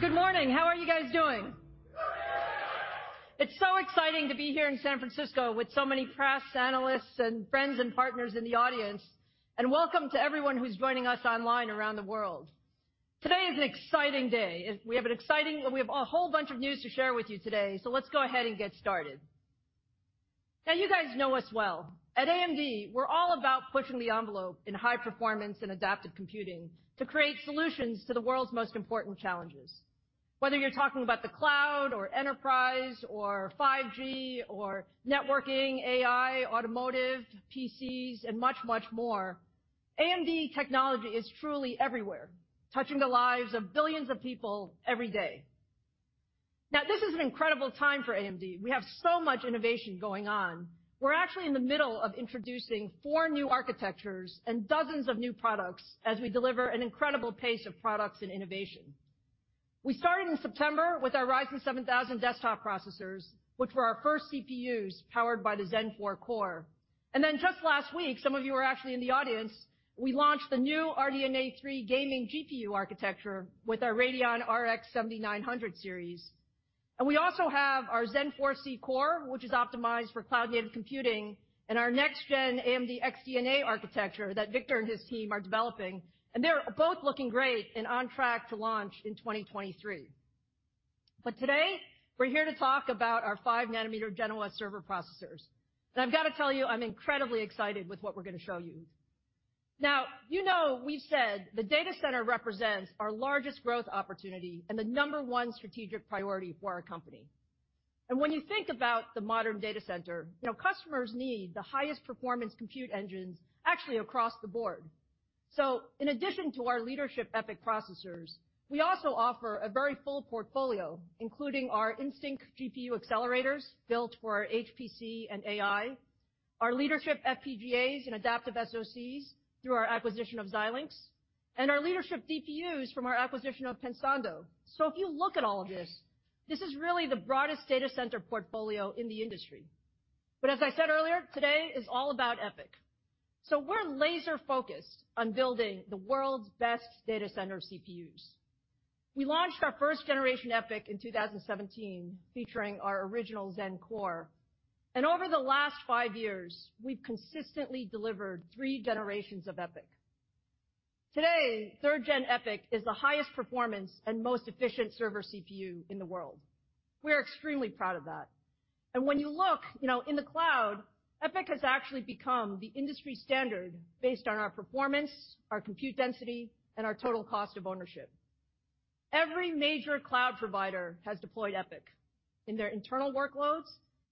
Good morning. Good morning. How are you guys doing? It's so exciting to be here in San Francisco with so many press, analysts, and friends and partners in the audience. Welcome to everyone who's joining us online around the world. Today is an exciting day. We have a whole bunch of news to share with you today. Let's go ahead and get started. Now, you guys know us well. At AMD, we're all about pushing the envelope in high performance and adaptive computing to create solutions to the world's most important challenges. Whether you're talking about the cloud or enterprise or 5G or networking, AI, automotive, PCs, and much, much more, AMD technology is truly everywhere, touching the lives of billions of people every day. Now, this is an incredible time for AMD. We have so much innovation going on. We're actually in the middle of introducing four new architectures and dozens of new products as we deliver an incredible pace of products and innovation. We started in September with our Ryzen 7000 desktop processors, which were our first CPUs powered by the Zen 4 core. Then just last week, some of you were actually in the audience, we launched the new RDNA 3 gaming GPU architecture with our Radeon RX 7900 series. We also have our Zen 4c core, which is optimized for cloud-native computing, and our next gen AMD XDNA architecture that Victor and his team are developing. They're both looking great and on track to launch in 2023. Today, we're here to talk about our 5 nm Genoa server processors. I've got to tell you, I'm incredibly excited with what we're gonna show you. Now, you know we said the data center represents our largest growth opportunity and the number one strategic priority for our company. When you think about the modern data center, you know, customers need the highest performance compute engines actually across the board. In addition to our leadership EPYC processors, we also offer a very full portfolio, including our Instinct GPU accelerators built for our HPC and AI, our leadership FPGAs and adaptive SoCs through our acquisition of Xilinx, and our leadership DPUs from our acquisition of Pensando. If you look at all of this is really the broadest data center portfolio in the industry. As I said earlier, today is all about EPYC. We're laser-focused on building the world's best data center CPUs. We launched our 1st Gen EPYC in 2017, featuring our original Zen core. Over the last five years, we've consistently delivered three generations of EPYC. Today, 3rd Gen EPYC is the highest performance and most efficient server CPU in the world. We're extremely proud of that. When you look, you know, in the cloud, EPYC has actually become the industry standard based on our performance, our compute density, and our total cost of ownership. Every major cloud provider has deployed EPYC in their internal workloads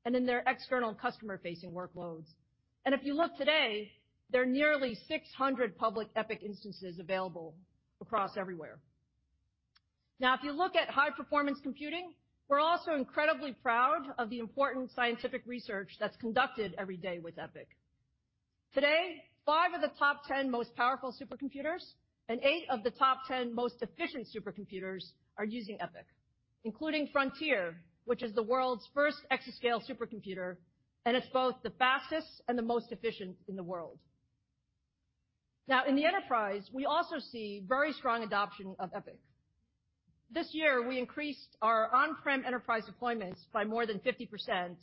and in their external customer-facing workloads. If you look today, there are nearly 600 public EPYC instances available across everywhere. Now, if you look at high performance computing, we're also incredibly proud of the important scientific research that's conducted every day with EPYC. Today, five of the top 10 most powerful supercomputers and eight of the top 10 most efficient supercomputers are using EPYC, including Frontier, which is the world's first exascale supercomputer, and it's both the fastest and the most efficient in the world. Now, in the enterprise, we also see very strong adoption of EPYC. This year, we increased our on-prem enterprise deployments by more than 50%,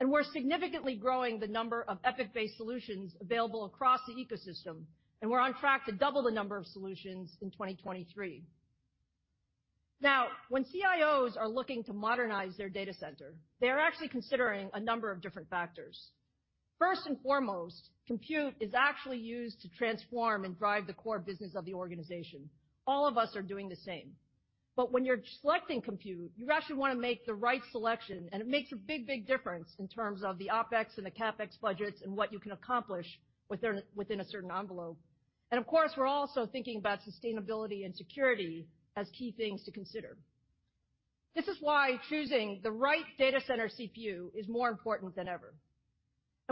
and we're significantly growing the number of EPYC-based solutions available across the ecosystem, and we're on track to double the number of solutions in 2023. Now, when CIOs are looking to modernize their data center, they are actually considering a number of different factors. First and foremost, compute is actually used to transform and drive the core business of the organization. All of us are doing the same. When you're selecting compute, you actually wanna make the right selection, and it makes a big, big difference in terms of the OpEx and the CapEx budgets and what you can accomplish within a certain envelope. Of course, we're also thinking about sustainability and security as key things to consider. This is why choosing the right data center CPU is more important than ever.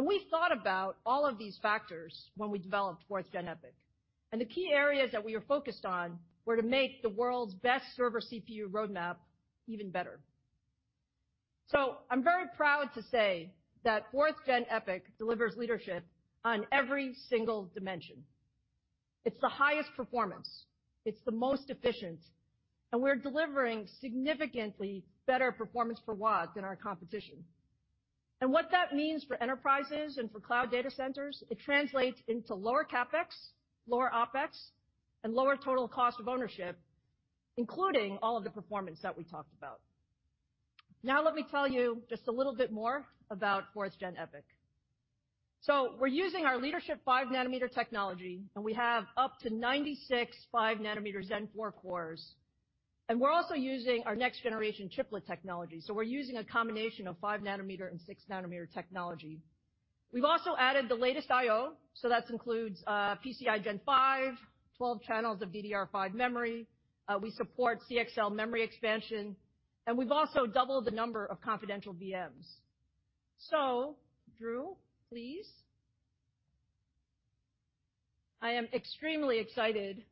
We thought about all of these factors when we developed 4th Gen EPYC. The key areas that we are focused on were to make the world's best server CPU roadmap even better. I'm very proud to say that 4th Gen EPYC delivers leadership on every single dimension. It's the highest performance, it's the most efficient, and we're delivering significantly better performance per watt than our competition. What that means for enterprises and for cloud data centers, it translates into lower CapEx, lower OpEx, and lower total cost of ownership, including all of the performance that we talked about. Now, let me tell you just a little bit more about 4th Gen EPYC. We're using our leadership 5 nm technology, and we have up to 96 5 nm Zen 4 cores. We're also using our next generation chiplet technology. We're using a combination of 5 nm and 6 nm technology. We've also added the latest I/O. That includes PCIe Gen 5, 12 channels of DDR5 memory. We support CXL memory expansion, and we've also doubled the number of confidential VMs. Drew, please. I am extremely excited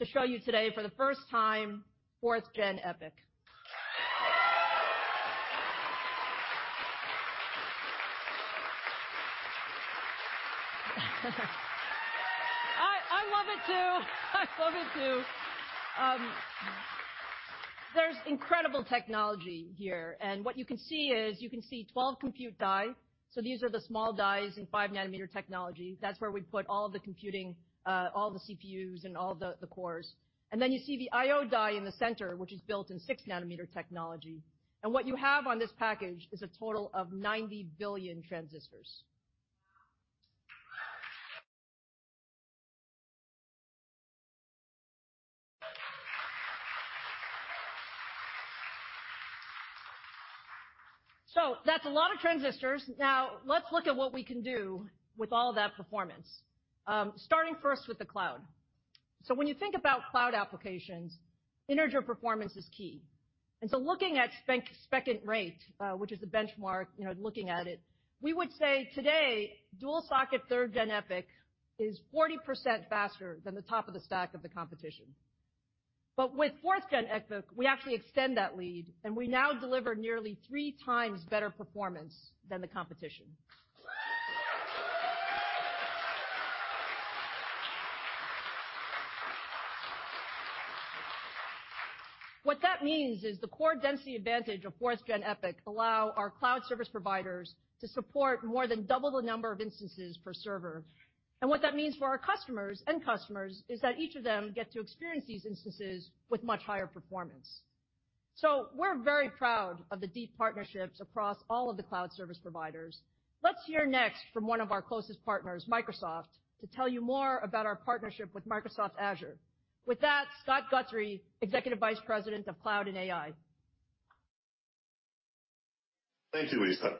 to show you today for the first time 4th Gen EPYC. I love it too. There's incredible technology here. What you can see 12 compute dies. These are the small dies in 5 nm technology. That's where we put all the computing, all the CPUs and all the cores. Then you see the I/O die in the center, which is built in 6 nm technology. What you have on this package is a total of 90 billion transistors. That's a lot of transistors. Now let's look at what we can do with all that performance. Starting first with the cloud. When you think about cloud applications, integer performance is key. Looking at SPECint_rate, which is the benchmark, you know, looking at it, we would say today, dual-socket 3rd Gen EPYC is 40% faster than the top of the stack of the competition. With 4th Gen EPYC, we actually extend that lead, and we now deliver nearly 3x better performance than the competition. What that means is the core density advantage of 4th Gen EPYC allow our cloud service providers to support more than double the number of instances per server. What that means for our customers, end customers, is that each of them get to experience these instances with much higher performance. We're very proud of the deep partnerships across all of the cloud service providers. Let's hear next from one of our closest partners, Microsoft, to tell you more about our partnership with Microsoft Azure. With that, Scott Guthrie, Executive Vice President, Cloud + AI. Thank you, Lisa.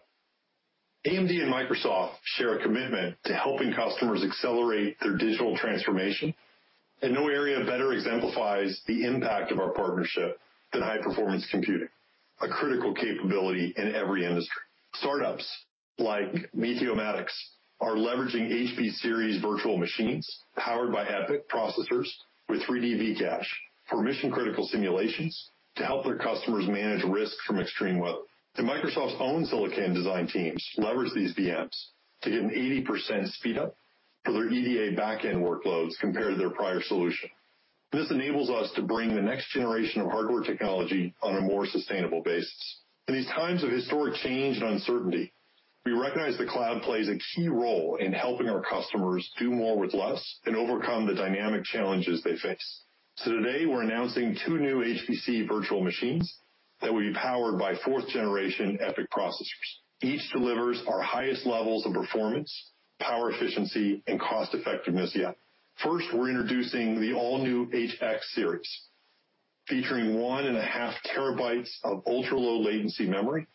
AMD and Microsoft share a commitment to helping customers accelerate their digital transformation. No area better exemplifies the impact of our partnership than high performance computing, a critical capability in every industry. Startups like Meteomatics are leveraging HB-series virtual machines powered by EPYC processors with 3D V-Cache for mission critical simulations to help their customers manage risk from extreme weather. Microsoft's own silicon design teams leverage these VMs to get an 80% speed up for their EDA backend workloads compared to their prior solution. This enables us to bring the next generation of hardware technology on a more sustainable basis. In these times of historic change and uncertainty, we recognize the cloud plays a key role in helping our customers do more with less and overcome the dynamic challenges they face. Today we're announcing two new HPC virtual machines that will be powered by 4th Gen EPYC processors. Each delivers our highest levels of performance, power efficiency, and cost effectiveness yet. First, we're introducing the all-new HX series. Featuring 1.5 TB of ultra-low latency memory,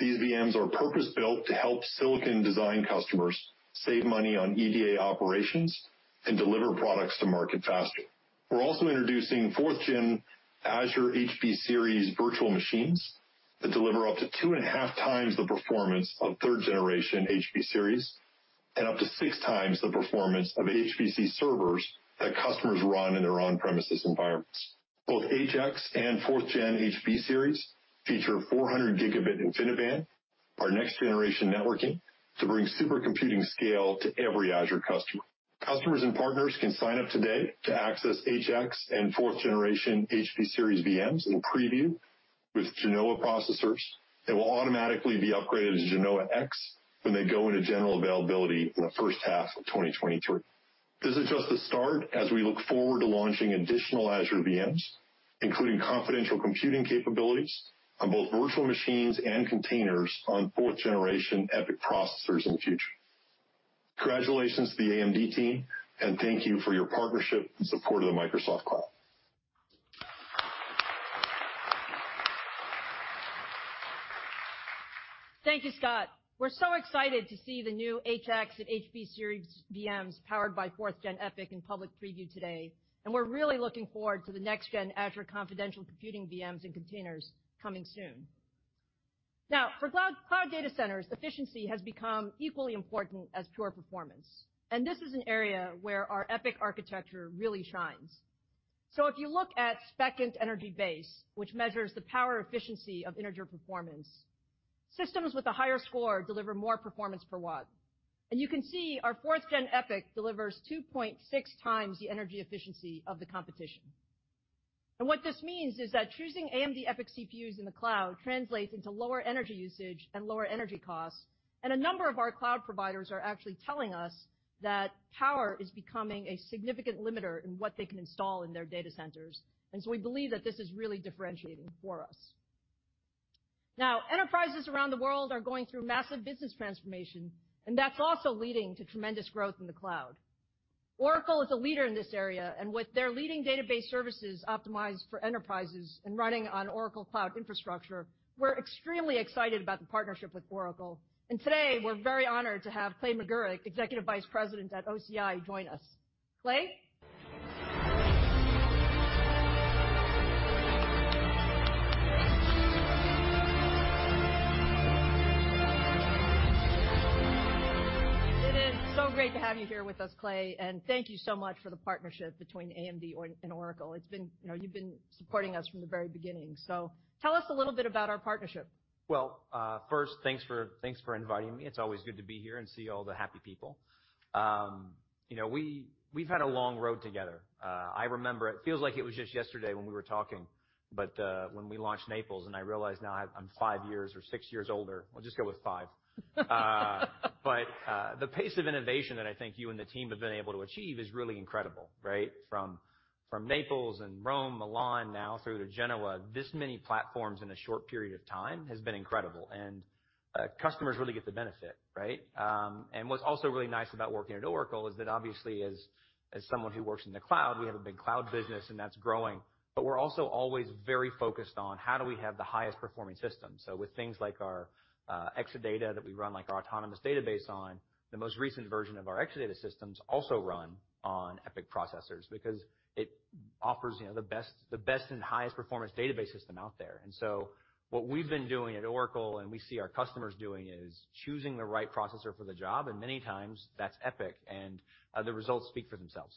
these VMs are purpose-built to help silicon design customers save money on EDA operations and deliver products to market faster. We're also introducing 4th-gen Azure HB series virtual machines that deliver up to 2.5x the performance of 3rd Generation HB series and up to 6x the performance of HPC servers that customers run in their on-premises environments. Both HX and 4th-gen HB series feature 400 Gb InfiniBand, our next generation networking, to bring super computing scale to every Azure customer. Customers and partners can sign up today to access HX and 4th Generation HB series VMs in preview with Genoa processors that will automatically be upgraded to Genoa-X when they go into general availability in the first half of 2023. This is just the start as we look forward to launching additional Azure VMs, including confidential computing capabilities on both virtual machines and containers on 4th Gen EPYC processors in the future. Congratulations to the AMD team and thank you for your partnership and support of the Microsoft Cloud. Thank you, Scott. We're so excited to see the new HX-series and HB-series VMs powered by 4th Gen EPYC in public preview today, and we're really looking forward to the next-gen Azure confidential computing VMs and containers coming soon. Now, for cloud data centers, efficiency has become equally important as pure performance. This is an area where our EPYC architecture really shines. If you look at SPECint energy base, which measures the power efficiency of integer performance, systems with a higher score deliver more performance per watt. You can see our 4th Gen EPYC delivers 2.6x the energy efficiency of the competition. What this means is that choosing AMD EPYC CPUs in the cloud translates into lower energy usage and lower energy costs. A number of our cloud providers are actually telling us that power is becoming a significant limiter in what they can install in their data centers. We believe that this is really differentiating for us. Enterprises around the world are going through massive business transformation, and that's also leading to tremendous growth in the cloud. Oracle is a leader in this area, and with their leading database services optimized for enterprises and running on Oracle Cloud Infrastructure, we're extremely excited about the partnership with Oracle. Today, we're very honored to have Clay Magouyrk, Executive Vice President at OCI, join us. Clay? It's great to have you here with us, Clay, and thank you so much for the partnership between AMD and Oracle. It's been. You know, you've been supporting us from the very beginning. Tell us a little bit about our partnership. Well, first, thanks for inviting me. It's always good to be here and see all the happy people. You know, we've had a long road together. I remember it feels like it was just yesterday when we were talking, but when we launched Naples and I realize now I'm five years or six years older, we'll just go with five. But the pace of innovation that I think you and the team have been able to achieve is really incredible, right? From Naples and Rome, Milan now through to Genoa. This many platforms in a short period of time has been incredible. Customers really get the benefit, right? What's also really nice about working at Oracle is that obviously as someone who works in the cloud, we have a big cloud business, and that's growing. We're also always very focused on how do we have the highest performing system. With things like our Exadata that we run, like our Autonomous Database on the most recent version of our Exadata systems also run on EPYC processors because it offers, you know, the best and highest performance database system out there. What we've been doing at Oracle and we see our customers doing is choosing the right processor for the job, and many times that's EPYC, and the results speak for themselves.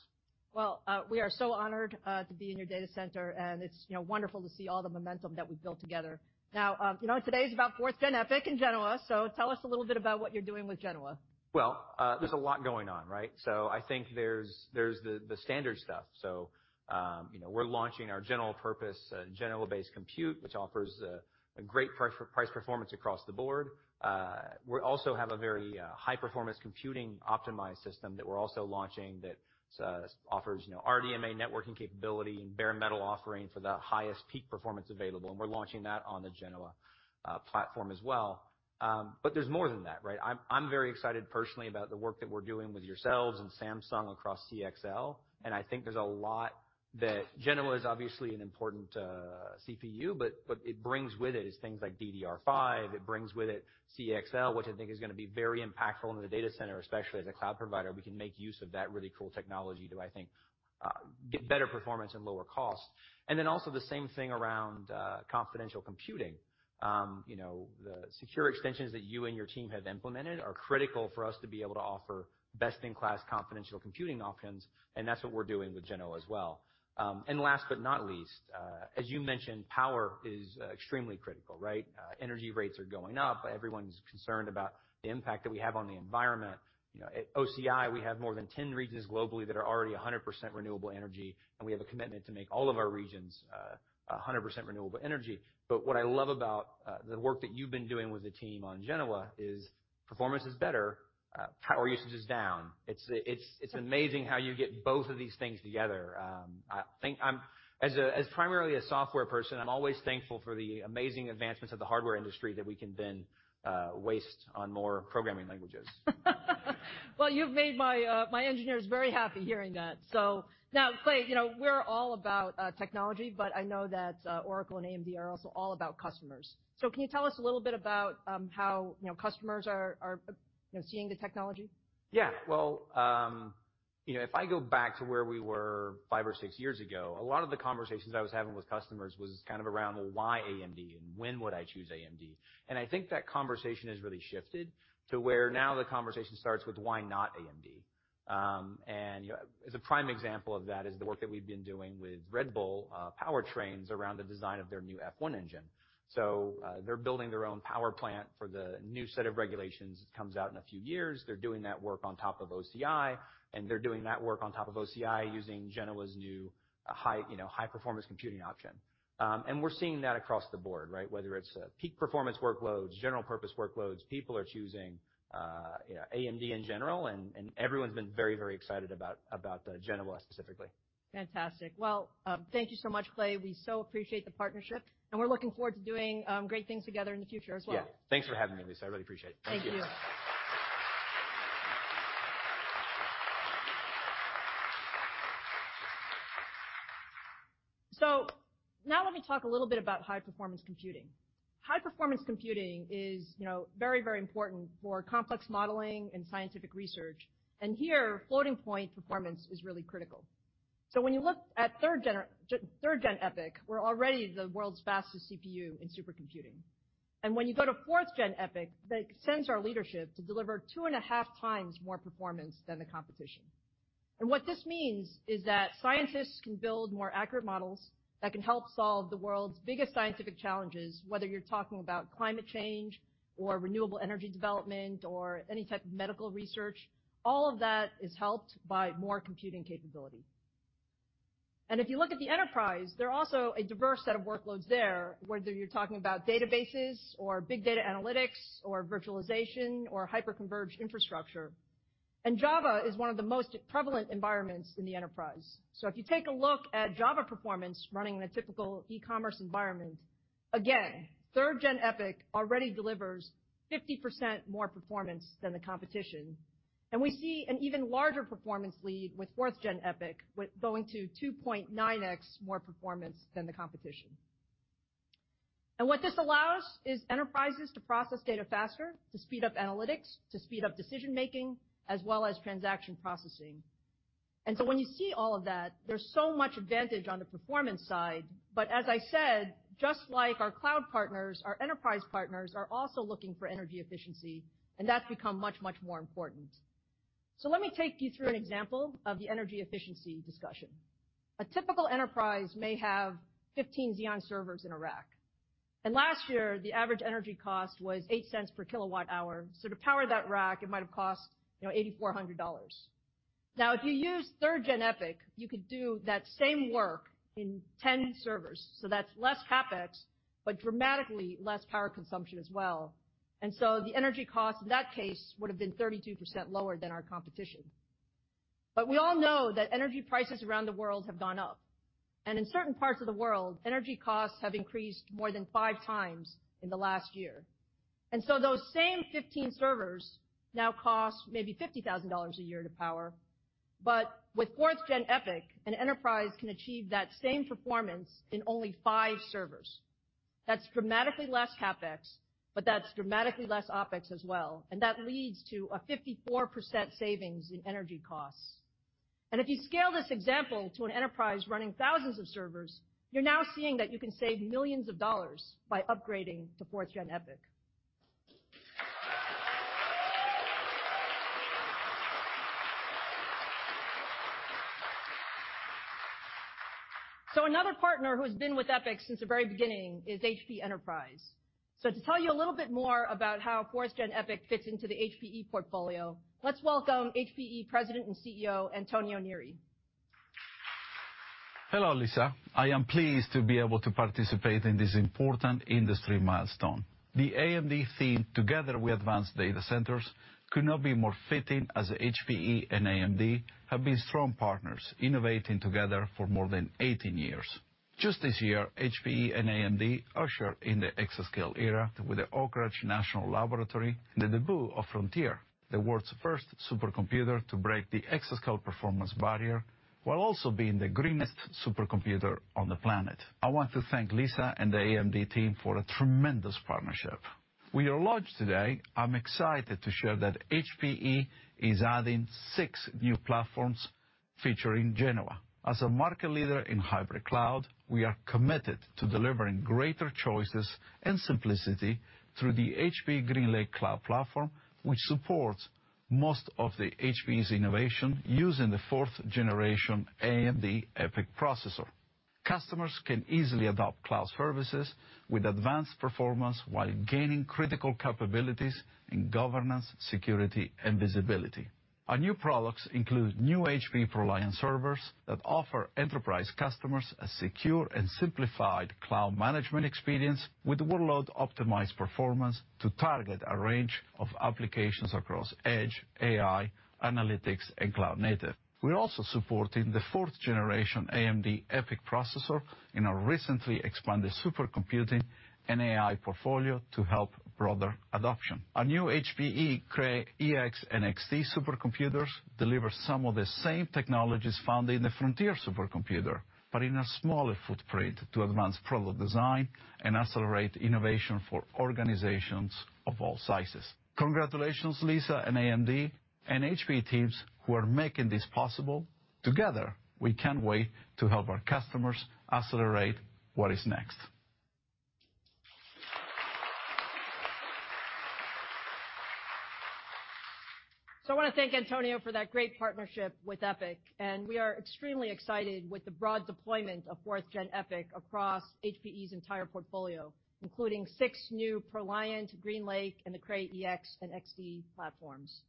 Well, we are so honored to be in your data center, and it's, you know, wonderful to see all the momentum that we've built together. Now, you know, today is about 4th Gen EPYC in Genoa, so tell us a little bit about what you're doing with Genoa. Well, there's a lot going on, right? I think there's the standard stuff. You know, we're launching our general-purpose Genoa-based compute, which offers a great price performance across the board. We also have a very high-performance computing optimized system that we're also launching that offers, you know, RDMA networking capability and bare metal offering for the highest peak performance available. We're launching that on the Genoa platform as well. There's more than that, right? I'm very excited personally about the work that we're doing with yourselves and Samsung across CXL, and I think there's a lot that Genoa is obviously an important CPU. But it brings with it is things like DDR5. It brings with it CXL, which I think is gonna be very impactful in the data center, especially as a cloud provider. We can make use of that really cool technology to, I think, get better performance and lower costs. The same thing around confidential computing. You know, the secure extensions that you and your team have implemented are critical for us to be able to offer best in class confidential computing options, and that's what we're doing with Genoa as well. Last but not least, as you mentioned, power is extremely critical, right? Energy rates are going up. Everyone's concerned about the impact that we have on the environment. You know, at OCI, we have more than 10 regions globally that are already 100% renewable energy, and we have a commitment to make all of our regions 100% renewable energy. What I love about the work that you've been doing with the team on Genoa is performance is better, power usage is down. It's amazing how you get both of these things together. I think, as primarily a software person, I'm always thankful for the amazing advancements of the hardware industry that we can then waste on more programming languages. Well, you've made my engineers very happy hearing that. Now, Clay, you know, we're all about technology, but I know that Oracle and AMD are also all about customers. Can you tell us a little bit about how, you know, customers are, you know, seeing the technology? Yeah. Well, you know, if I go back to where we were five or six years ago, a lot of the conversations I was having with customers was kind of around why AMD and when would I choose AMD? I think that conversation has really shifted to where now the conversation starts with why not AMD? As a prime example of that is the work that we've been doing with Red Bull Powertrains around the design of their new F1 engine. They're building their own power plant for the new set of regulations that comes out in a few years. They're doing that work on top of OCI, and they're doing that work on top of OCI using Genoa's new high performance computing option. We're seeing that across the board, right? Whether its peak performance workloads, general purpose workloads, people are choosing, you know, AMD in general. Everyone's been very excited about the Genoa specifically. Fantastic. Well, thank you so much, Clay. We so appreciate the partnership, and we're looking forward to doing great things together in the future as well. Yeah. Thanks for having me, Lisa. I really appreciate it. Thank you. Thank you. Now let me talk a little bit about high performance computing. High performance computing is, you know, very, very important for complex modeling and scientific research. Here floating-point performance is really critical. When you look at 3rd Gen EPYC, we're already the world's fastest CPU in supercomputing. When you go to 4th Gen EPYC, that extends our leadership to deliver 2.5x more performance than the competition. What this means is that scientists can build more accurate models that can help solve the world's biggest scientific challenges, whether you're talking about climate change or renewable energy development or any type of medical research. All of that is helped by more computing capability. If you look at the enterprise, there are also a diverse set of workloads there, whether you're talking about databases or big data analytics or virtualization or hyper-converged infrastructure. Java is one of the most prevalent environments in the enterprise. If you take a look at Java performance running in a typical e-commerce environment, again, 3rd Gen EPYC already delivers 50% more performance than the competition. We see an even larger performance lead with 4th Gen EPYC with going to 2.9x more performance than the competition. What this allows is enterprises to process data faster, to speed up analytics, to speed up decision-making, as well as transaction processing. When you see all of that, there's so much advantage on the performance side. As I said, just like our cloud partners, our enterprise partners are also looking for energy efficiency, and that's become much, much more important. Let me take you through an example of the energy efficiency discussion. A typical enterprise may have 15 Xeon servers in a rack. Last year, the average energy cost was $0.08 per kWh. To power that rack, it might have cost, you know, $8,400. Now, if you use 3rd Gen EPYC, you could do that same work in 10 servers. That's less CapEx, but dramatically less power consumption as well. The energy cost in that case would have been 32% lower than our competition. We all know that energy prices around the world have gone up. In certain parts of the world, energy costs have increased more than 5x in the last year. Those same 15 servers now cost maybe $50,000 a year to power. With 4th Gen EPYC, an enterprise can achieve that same performance in only five servers. That's dramatically less CapEx, but that's dramatically less OpEx as well, and that leads to a 54% savings in energy costs. If you scale this example to an enterprise running thousands of servers, you're now seeing that you can save millions of dollars by upgrading to 4th Gen EPYC. Another partner who has been with EPYC since the very beginning is HPE. To tell you a little bit more about how 4th Gen EPYC fits into the HPE portfolio, let's welcome HPE President and CEO Antonio Neri. Hello, Lisa. I am pleased to be able to participate in this important industry milestone. The AMD theme, together with advanced data centers, could not be more fitting, as HPE and AMD have been strong partners innovating together for more than 18 years. Just this year, HPE and AMD ushered in the exascale era with the Oak Ridge National Laboratory and the debut of Frontier, the world's first supercomputer to break the exascale performance barrier while also being the greenest supercomputer on the planet. I want to thank Lisa and the AMD team for a tremendous partnership. With your launch today, I'm excited to share that HPE is adding six new platforms featuring Genoa. As a market leader in hybrid cloud, we are committed to delivering greater choices and simplicity through the HPE GreenLake Cloud platform, which supports most of the HPE's innovation using the 4th Gen AMD EPYC processor. Customers can easily adopt cloud services with advanced performance while gaining critical capabilities in governance, security, and visibility. Our new products include new HPE ProLiant servers that offer enterprise customers a secure and simplified cloud management experience with workload-optimized performance to target a range of applications across edge, AI, analytics, and cloud native. We're also supporting the 4th Gen AMD EPYC processor in our recently expanded supercomputing and AI portfolio to help broader adoption. Our new HPE Cray EX and XD supercomputers deliver some of the same technologies found in the Frontier supercomputer, but in a smaller footprint to advance product design and accelerate innovation for organizations of all sizes. Congratulations, Lisa and AMD and HPE teams who are making this possible. Together, we can't wait to help our customers accelerate what is next. I wanna thank Antonio for that great partnership with EPYC, and we are extremely excited with the broad deployment of 4th Gen EPYC across HPE's entire portfolio, including six new ProLiant, GreenLake, and the Cray EX and XD platforms.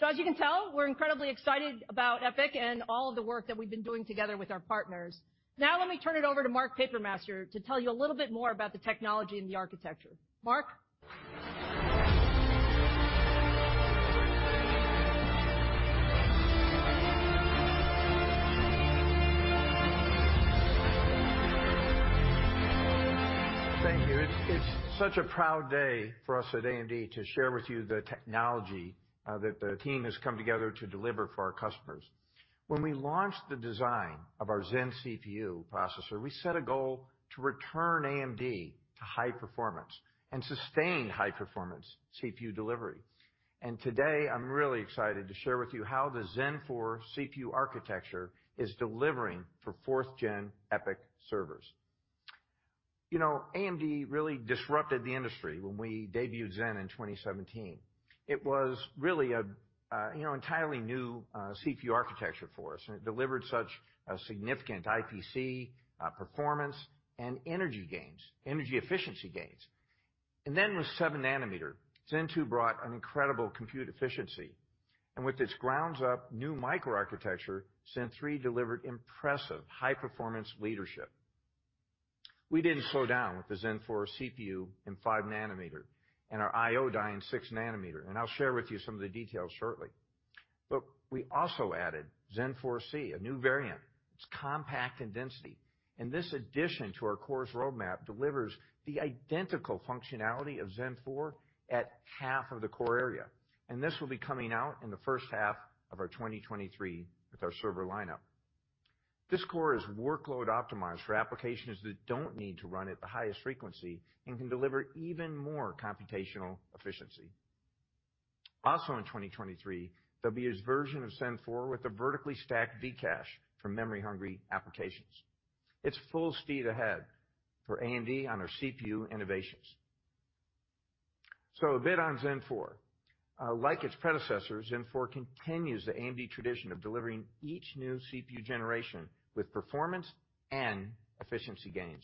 As you can tell, we're incredibly excited about EPYC and all of the work that we've been doing together with our partners. Now let me turn it over to Mark Papermaster to tell you a little bit more about the technology and the architecture. Mark? Thank you. It's such a proud day for us at AMD to share with you the technology that the team has come together to deliver for our customers. When we launched the design of our Zen CPU processor, we set a goal to return AMD to high performance and sustain high performance CPU delivery. Today, I'm really excited to share with you how the Zen 4 CPU architecture is delivering for 4th Gen EPYC servers. You know, AMD really disrupted the industry when we debuted Zen in 2017. It was really a you know, entirely new CPU architecture for us, and it delivered such a significant IPC performance, and energy gains, energy efficiency gains. Then with 7 nm, Zen 2 brought an incredible compute efficiency. With its ground-up new microarchitecture, Zen 3 delivered impressive high performance leadership. We didn't slow down with the Zen 4 CPU and 5 nm and our I/O die in 6 nm, and I'll share with you some of the details shortly. We also added Zen 4c, a new variant. It's compact in density, and this addition to our cores roadmap delivers the identical functionality of Zen 4 at half of the core area. This will be coming out in the first half of 2023 with our server lineup. This core is workload optimized for applications that don't need to run at the highest frequency and can deliver even more computational efficiency. Also, in 2023, there'll be a version of Zen 4 with a vertically stacked V-cache for memory-hungry applications. It's full speed ahead for AMD on our CPU innovations. A bit on Zen 4. Like its predecessors, Zen 4 continues the AMD tradition of delivering each new CPU generation with performance and efficiency gains.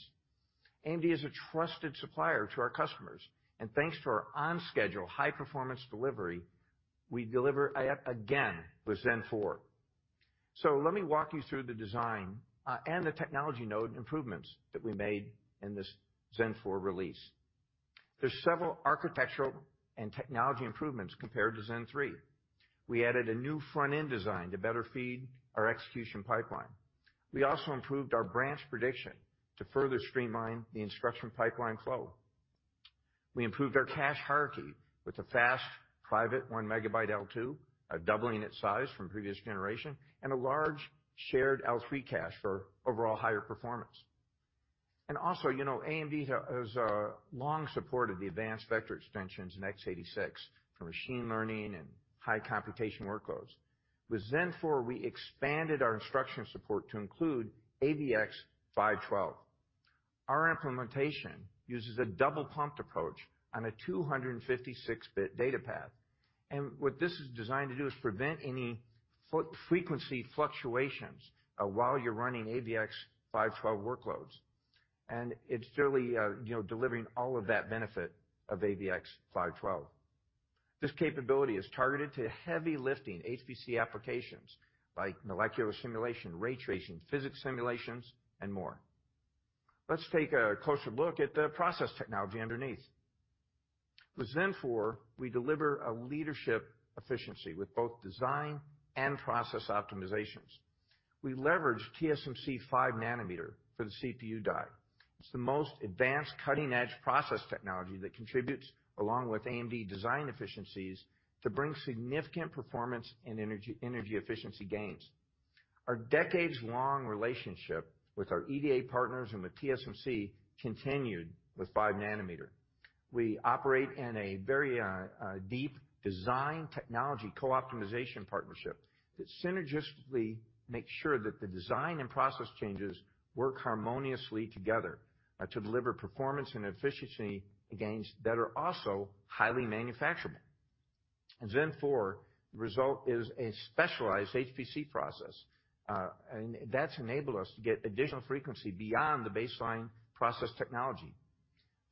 AMD is a trusted supplier to our customers, and thanks to our on-schedule high-performance delivery, we deliver again with Zen 4. Let me walk you through the design and the technology node improvements that we made in this Zen 4 release. There's several architectural and technology improvements compared to Zen 3. We added a new front-end design to better feed our execution pipeline. We also improved our branch prediction to further streamline the instruction pipeline flow. We improved our cache hierarchy with a fast private 1 MB L2, doubling its size from previous generation, and a large shared L3 cache for overall higher performance. Also, you know, AMD has long supported the advanced vector extensions in x86 for machine learning and high computation workloads. With Zen 4, we expanded our instruction support to include AVX-512. Our implementation uses a double pumped approach on a 256-bit data path. What this is designed to do is prevent any frequency fluctuations while you're running AVX-512 workloads. It's really, you know, delivering all of that benefit of AVX-512. This capability is targeted to heavy lifting HPC applications like molecular simulation, ray tracing, physics simulations, and more. Let's take a closer look at the process technology underneath. With Zen 4, we deliver a leadership efficiency with both design and process optimizations. We leverage TSMC 5 nm for the CPU die. It's the most advanced cutting-edge process technology that contributes, along with AMD design efficiencies, to bring significant performance and energy efficiency gains. Our decades-long relationship with our EDA partners and with TSMC continued with 5 nm. We operate in a very deep design technology co-optimization partnership that synergistically makes sure that the design and process changes work harmoniously together to deliver performance and efficiency gains that are also highly manufacturable. In Zen 4, the result is a specialized HPC process, and that's enabled us to get additional frequency beyond the baseline process technology.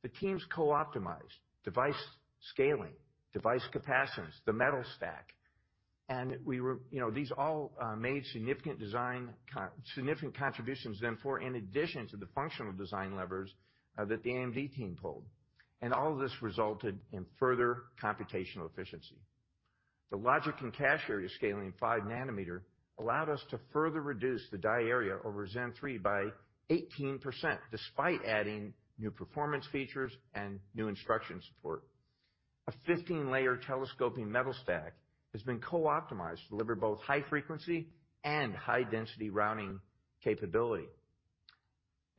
The teams co-optimized device scaling, device capacitance, the metal stack, and these all made significant contributions to Zen 4 in addition to the functional design levers that the AMD team pulled. All of this resulted in further computational efficiency. The logic and cache area scaling in 5 nm allowed us to further reduce the die area over Zen 3 by 18%, despite adding new performance features and new instruction support. A 15-layer telescoping metal stack has been co-optimized to deliver both high frequency and high density routing capability.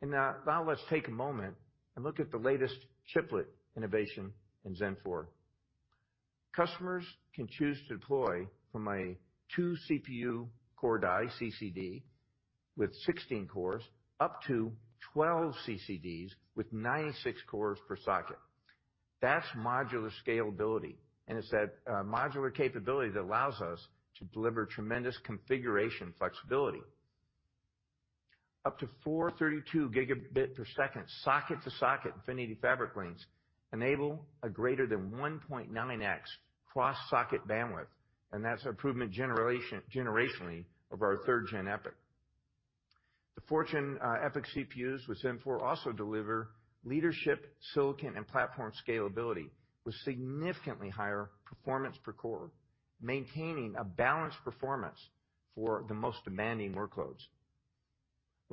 Now let's take a moment and look at the latest chiplet innovation in Zen 4. Customers can choose to deploy from a two CPU core die CCD with 16 cores, up to 12 CCDs with 96 cores per socket. That's modular scalability, and it's that modular capability that allows us to deliver tremendous configuration flexibility. Up to four 32 Gbps socket-to-socket Infinity Fabric links enable a greater than 1.9x cross-socket bandwidth, and that's improvement generationally over our 3rd Gen EPYC. The 4th Gen EPYC CPUs with Zen 4 also deliver leadership silicon and platform scalability with significantly higher performance per core, maintaining a balanced performance for the most demanding workloads.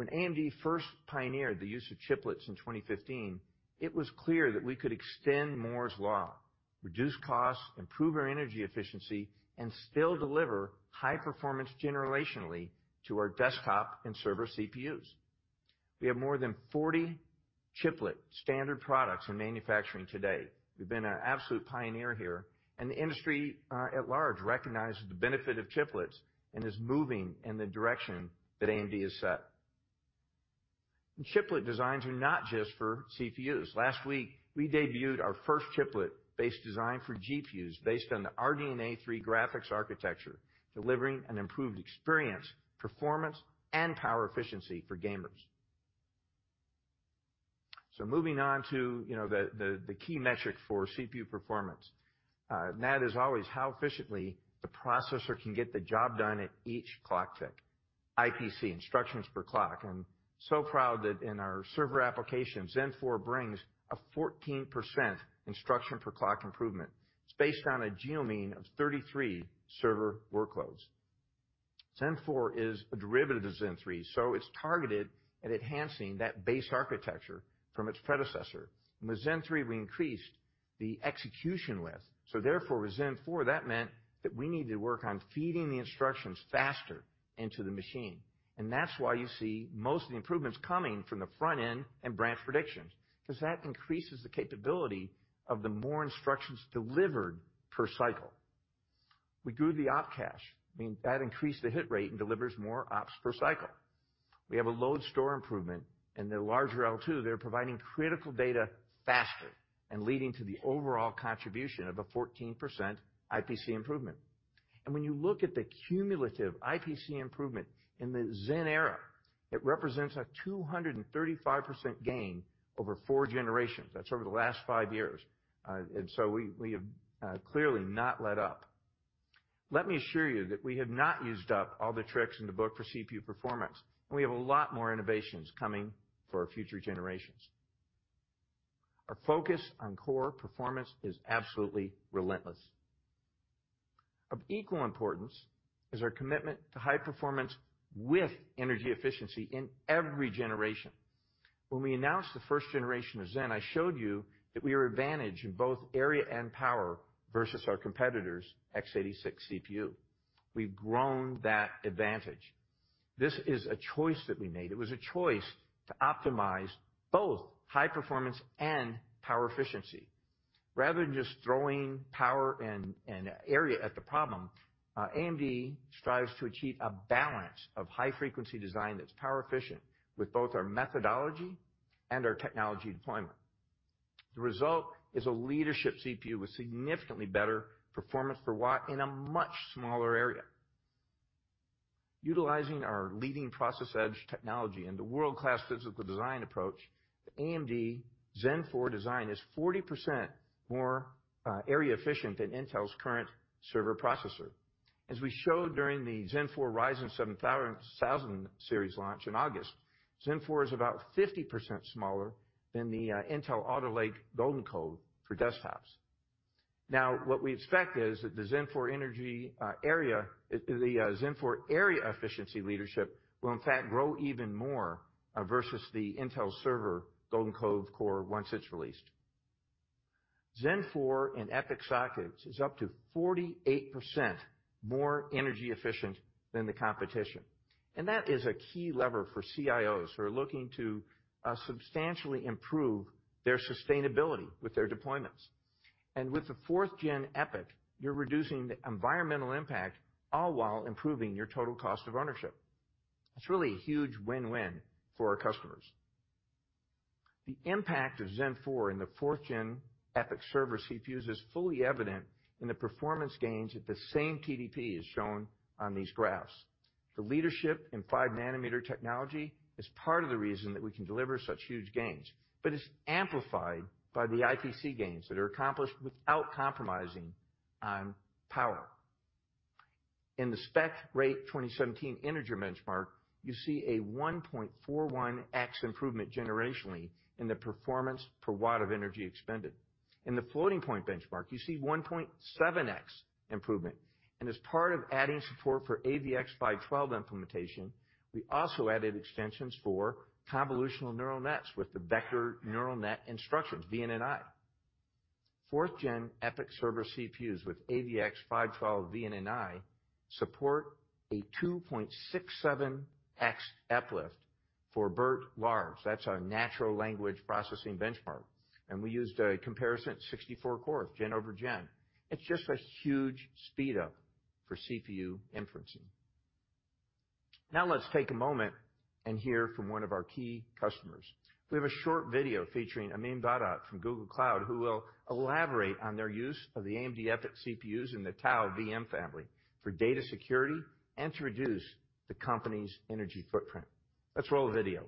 When AMD first pioneered the use of chiplets in 2015, it was clear that we could extend Moore's law, reduce costs, improve our energy efficiency, and still deliver high performance generationally to our desktop and server CPUs. We have more than 40 chiplet standard products in manufacturing today. We've been an absolute pioneer here, and the industry at large recognizes the benefit of chiplets and is moving in the direction that AMD has set. Chiplet designs are not just for CPUs. Last week, we debuted our first chiplet-based design for GPUs based on the RDNA 3 graphics architecture, delivering an improved experience, performance, and power efficiency for gamers. Moving on to the key metric for CPU performance. That is always how efficiently the processor can get the job done at each clock tick. IPC, instructions per clock, and so proud that in our server application, Zen 4 brings a 14% instruction per clock improvement. It's based on a geometric mean of 33 server workloads. Zen 4 is a derivative of Zen 3, so it's targeted at enhancing that base architecture from its predecessor. In the Zen 3, we increased the execution list. Zen 4, that meant that we need to work on feeding the instructions faster into the machine. That's why you see most of the improvements coming from the front end and branch predictions, 'cause that increases the capability of the more instructions delivered per cycle. We grew the op cache. I mean, that increased the hit rate and delivers more ops per cycle. We have a load store improvement and the larger L2, they're providing critical data faster and leading to the overall contribution of a 14% IPC improvement. When you look at the cumulative IPC improvement in the Zen era, it represents a 235% gain over four generations. That's over the last five years. We have clearly not let up. Let me assure you that we have not used up all the tricks in the book for CPU performance, and we have a lot more innovations coming for our future generations. Our focus on core performance is absolutely relentless. Of equal importance is our commitment to high performance with energy efficiency in every generation. When we announced the first generation of Zen, I showed you that we are advantaged in both area and power versus our competitor's x86 CPU. We've grown that advantage. This is a choice that we made. It was a choice to optimize both high performance and power efficiency. Rather than just throwing power and area at the problem, AMD strives to achieve a balance of high frequency design that's power efficient with both our methodology and our technology deployment. The result is a leadership CPU with significantly better performance per watt in a much smaller area. Utilizing our leading process edge technology and the world-class physical design approach, the AMD Zen 4 design is 40% more area efficient than Intel's current server processor. As we showed during the Zen 4 Ryzen 7000 series launch in August, Zen 4 is about 50% smaller than the Intel Alder Lake Golden Cove for desktops. Now, what we expect is that the Zen 4 area efficiency leadership will in fact grow even more versus the Intel server Golden Cove core once it's released. Zen 4 in EPYC sockets is up to 48% more energy efficient than the competition, and that is a key lever for CIOs who are looking to substantially improve their sustainability with their deployments. With the 4th Gen EPYC, you're reducing the environmental impact, all while improving your total cost of ownership. It's really a huge win-win for our customers. The impact of Zen 4 in the 4th Gen EPYC server CPUs is fully evident in the performance gains at the same TDP as shown on these graphs. The leadership in 5 nm technology is part of the reason that we can deliver such huge gains, but it's amplified by the IPC gains that are accomplished without compromising on power. In the SPECrate2017 integer benchmark, you see a 1.41x improvement generationally in the performance per watt of energy expended. In the floating point benchmark, you see 1.7x improvement. As part of adding support for AVX-512 implementation, we also added extensions for convolutional neural nets with the vector neural net instructions, VNNI. 4th Gen EPYC server CPUs with AVX-512 VNNI support a 2.67x uplift for BERT Large. That's our natural language processing benchmark, and we used a comparison at 64-core gen-over-gen. It's just a huge speed up for CPU inferencing. Now, let's take a moment and hear from one of our key customers. We have a short video featuring Amin Vahdat from Google Cloud, who will elaborate on their use of the AMD EPYC CPUs in the Tau VM family for data security and to reduce the company's energy footprint. Let's roll the video.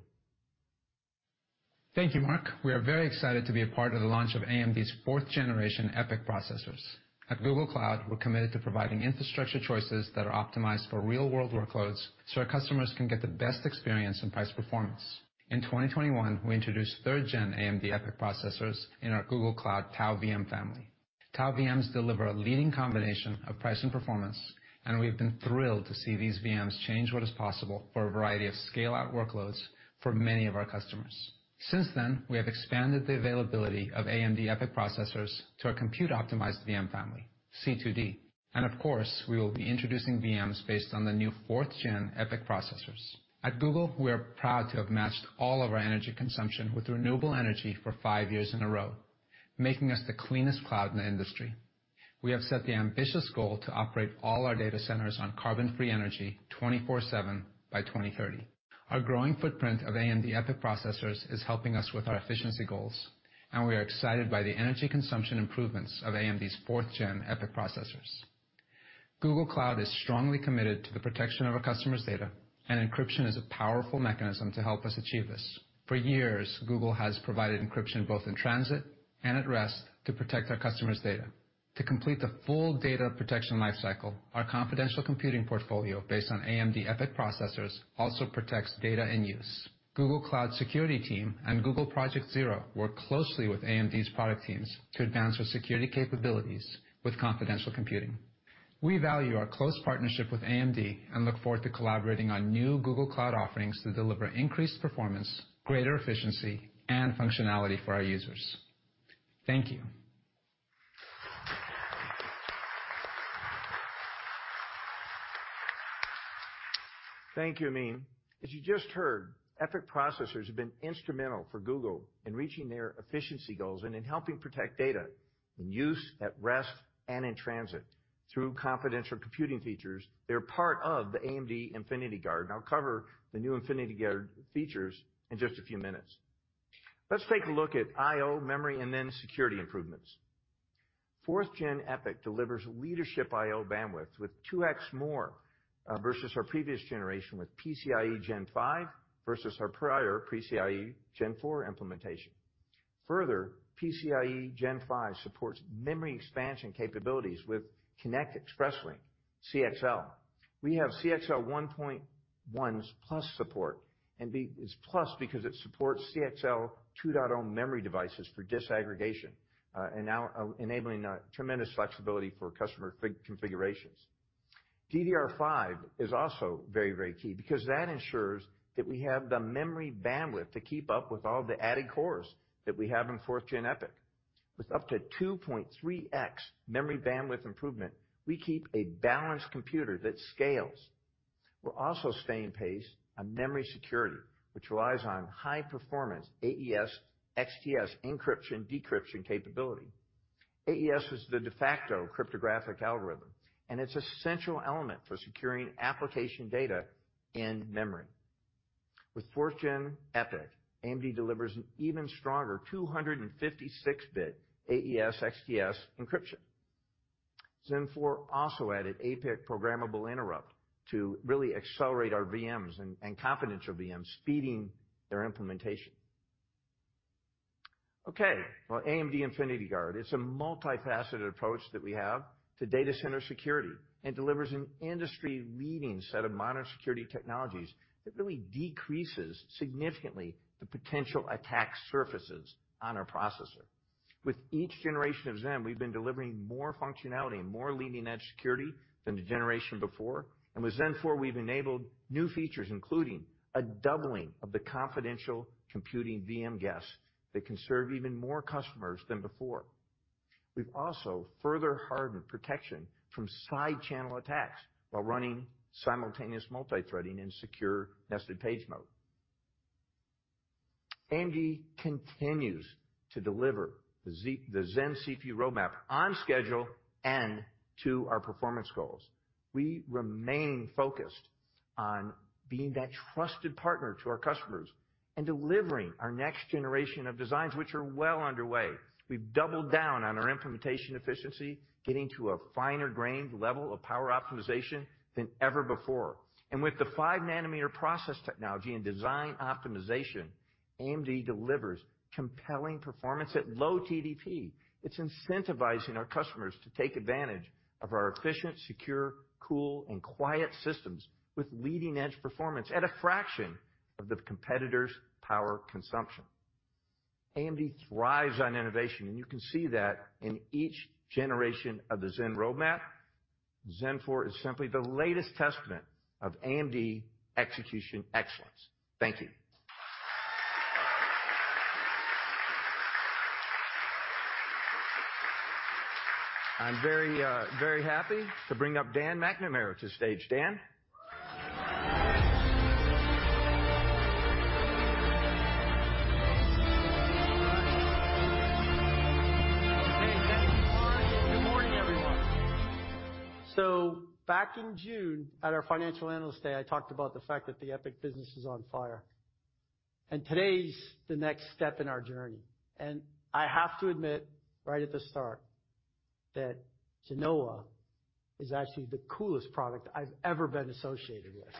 Thank you, Mark. We are very excited to be a part of the launch of AMD's 4th Gen EPYC processors. At Google Cloud, we're committed to providing infrastructure choices that are optimized for real-world workloads so our customers can get the best experience in price performance. In 2021, we introduced 3rd Gen AMD EPYC processors in our Google Cloud Tau VM family. Tau VMs deliver a leading combination of price and performance, and we've been thrilled to see these VMs change what is possible for a variety of scale-out workloads for many of our customers. Since then, we have expanded the availability of AMD EPYC processors to our compute optimized VM family, C2D. Of course, we will be introducing VMs based on the new 4th Gen EPYC processors. At Google, we are proud to have matched all of our energy consumption with renewable energy for five years in a row, making us the cleanest cloud in the industry. We have set the ambitious goal to operate all our data centers on carbon-free energy 24/7 by 2030. Our growing footprint of AMD EPYC processors is helping us with our efficiency goals, and we are excited by the energy consumption improvements of AMD's 4th Gen EPYC processors. Google Cloud is strongly committed to the protection of our customers' data, and encryption is a powerful mechanism to help us achieve this. For years, Google has provided encryption both in transit and at rest to protect our customers' data. To complete the full data protection life cycle, our confidential computing portfolio, based on AMD EPYC processors, also protects data in use. Google Cloud security team and Google Project Zero work closely with AMD's product teams to advance our security capabilities with confidential computing. We value our close partnership with AMD and look forward to collaborating on new Google Cloud offerings to deliver increased performance, greater efficiency, and functionality for our users. Thank you. Thank you, Amin. As you just heard, EPYC processors have been instrumental for Google in reaching their efficiency goals and in helping protect data in use, at rest, and in transit through confidential computing features. They're part of the AMD Infinity Guard, and I'll cover the new Infinity Guard features in just a few minutes. Let's take a look at I/O memory and then security improvements. 4th Gen EPYC delivers leadership I/O bandwidth with 2x more versus our previous generation, with PCIe Gen 5 versus our prior PCIe Gen 4 implementations. Further, PCIe Gen 5 supports memory expansion capabilities with Compute Express Link, CXL. We have CXL 1.1+ support, and it's plus because it supports CXL 2.0 memory devices for disaggregation and now enabling a tremendous flexibility for customer configurations. DDR5 is also very, very key because that ensures that we have the memory bandwidth to keep up with all the added cores that we have in 4th Gen EPYC. With up to 2.3x memory bandwidth improvement, we keep a balanced compute that scales. We're also keeping pace on memory security, which relies on high performance AES-XTS encryption/decryption capability. AES is the de facto cryptographic algorithm, and it's essential element for securing application data in memory. With 4th Gen EPYC, AMD delivers an even stronger 256-bit AES-XTS encryption. Zen 4 also added APIC programmable interrupt to really accelerate our VMs and confidential VMs, speeding their implementation. Okay. Well, AMD Infinity Guard, it's a multifaceted approach that we have to data center security and delivers an industry-leading set of modern security technologies that really decreases significantly the potential attack surfaces on our processor. With each generation of Zen, we've been delivering more functionality and more leading-edge security than the generation before. With Zen 4, we've enabled new features, including a doubling of the confidential computing VM guest that can serve even more customers than before. We've also further hardened protection from side-channel attacks while running simultaneous multithreading in secure nested page mode. AMD continues to deliver the Zen CPU roadmap on schedule and to our performance goals. We remain focused on being that trusted partner to our customers and delivering our next generation of designs which are well underway. We've doubled down on our implementation efficiency, getting to a finer-grained level of power optimization than ever before. With the 5 nm process technology and design optimization, AMD delivers compelling performance at low TDP. It's incentivizing our customers to take advantage of our efficient, secure, cool, and quiet systems with leading-edge performance at a fraction of the competitor's power consumption. AMD thrives on innovation, and you can see that in each generation of the Zen roadmap. Zen 4 is simply the latest testament of AMD execution excellence. Thank you. I'm very, very happy to bring up Dan McNamara to the stage. Dan. Good morning. Hey. Thank you, Lisa. Good morning, everyone. Back in June, at our Financial Analyst Day, I talked about the fact that the EPYC business is on fire. Today's the next step in our journey. I have to admit right at the start that Genoa is actually the coolest product I've ever been associated with.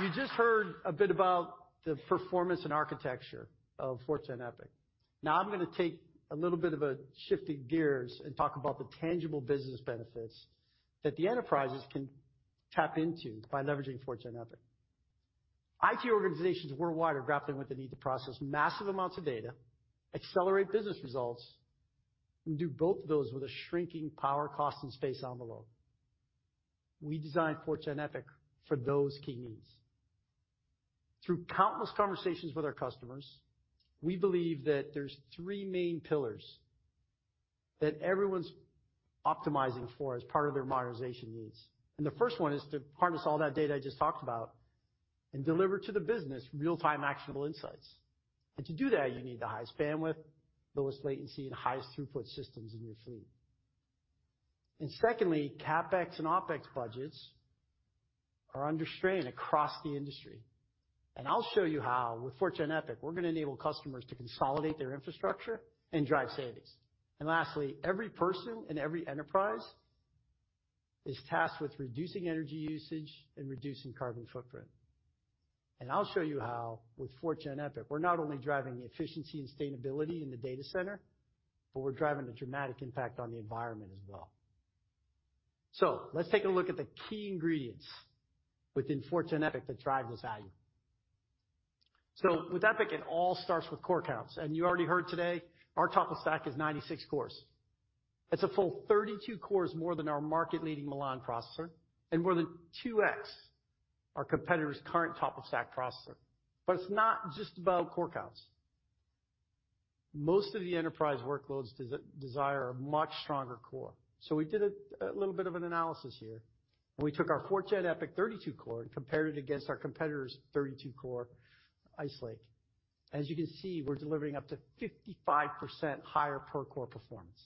You just heard a bit about the performance and architecture of 4th Gen EPYC. Now I'm gonna take a little bit of a shift in gears and talk about the tangible business benefits that the enterprises can tap into by leveraging 4th Gen EPYC. IT organizations worldwide are grappling with the need to process massive amounts of data, accelerate business results, and do both of those with a shrinking power, cost, and space envelope. We designed 4th Gen EPYC for those key needs. Through countless conversations with our customers, we believe that there's three main pillars that everyone's optimizing for as part of their modernization needs, and the first one is to harness all that data I just talked about and deliver to the business real-time actionable insights. To do that, you need the highest bandwidth, lowest latency, and highest throughput systems in your fleet. Secondly, CapEx and OpEx budgets are under strain across the industry. I'll show you how with 4th Gen EPYC, we're gonna enable customers to consolidate their infrastructure and drive savings. Lastly, every person and every enterprise is tasked with reducing energy usage and reducing carbon footprint. I'll show you how with 4th Gen EPYC, we're not only driving efficiency and sustainability in the data center, but we're driving a dramatic impact on the environment as well. Let's take a look at the key ingredients within 4th Gen EPYC that drive this value. With EPYC, it all starts with core counts, and you already heard today our top of stack is 96 cores. That's a full 32 cores more than our market-leading Milan processor and more than 2x our competitor's current top of stack processor. It's not just about core counts. Most of the enterprise workloads desire a much stronger core. We did a little bit of an analysis here, and we took our 4th Gen EPYC 32-core and compared it against our competitor's 32-core Ice Lake. As you can see, we're delivering up to 55% higher per-core performance.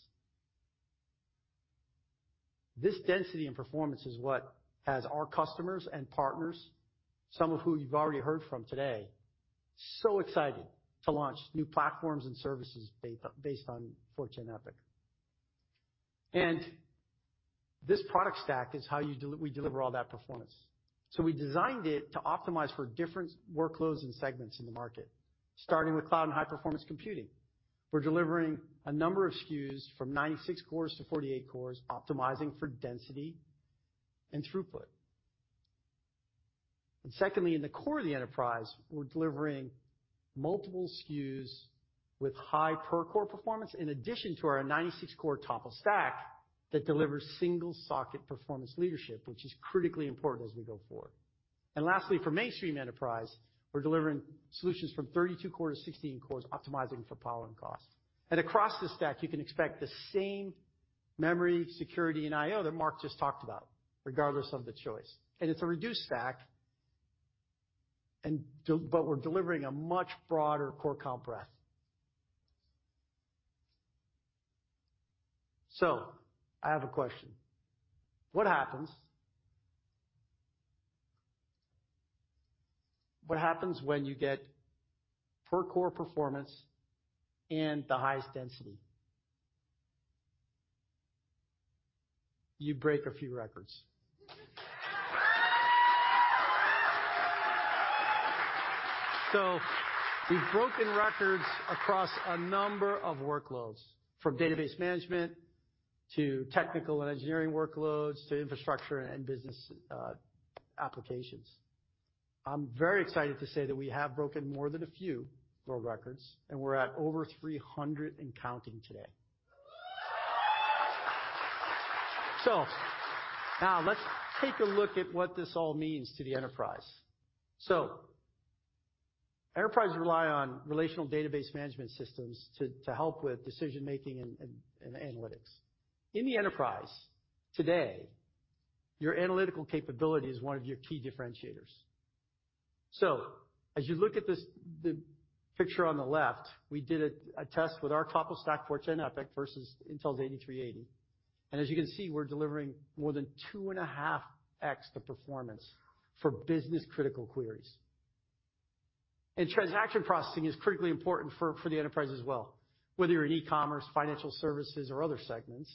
This density and performance is what has our customers and partners, some of who you've already heard from today, so excited to launch new platforms and services based on 4th Gen EPYC. This product stack is how we deliver all that performance. We designed it to optimize for different workloads and segments in the market, starting with cloud and high performance computing. We're delivering a number of SKUs from 96-48 cores, optimizing for density and throughput. Secondly, in the core of the enterprise, we're delivering multiple SKUs with high per-core performance in addition to our 96-core top of stack that delivers single socket performance leadership, which is critically important as we go forward. Lastly, for mainstream enterprise, we're delivering solutions from 32-core to 16 cores, optimizing for power and cost. Across the stack, you can expect the same memory, security, and IO that Mark just talked about, regardless of the choice. It's a reduced stack and Dell, but we're delivering a much broader core count breadth. I have a question. What happens when you get per-core performance and the highest density? You break a few records. We've broken records across a number of workloads, from database management to technical and engineering workloads, to infrastructure and business applications. I'm very excited to say that we have broken more than a few world records, and we're at over 300 and counting today. Now let's take a look at what this all means to the enterprise. Enterprise rely on relational database management systems to help with decision-making and analytics. In the enterprise today, your analytical capability is one of your key differentiators. As you look at this, the picture on the left, we did a test with our top of stack 4th Gen EPYC versus Intel's 8380. As you can see, we're delivering more than 2.5x the performance for business-critical queries. Transaction processing is critically important for the enterprise as well. Whether you're in e-commerce, financial services or other segments,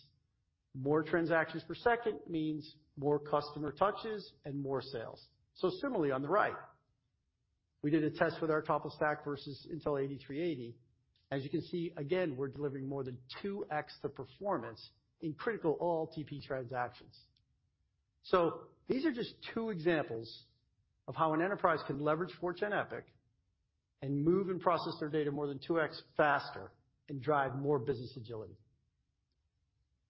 more transactions per second means more customer touches and more sales. Similarly on the right, we did a test with our top of stack versus Intel 8380. As you can see, again, we're delivering more than 2x the performance in critical OLTP transactions. These are just two examples of how an enterprise can leverage 4th Gen EPYC and move and process their data more than 2x faster and drive more business agility.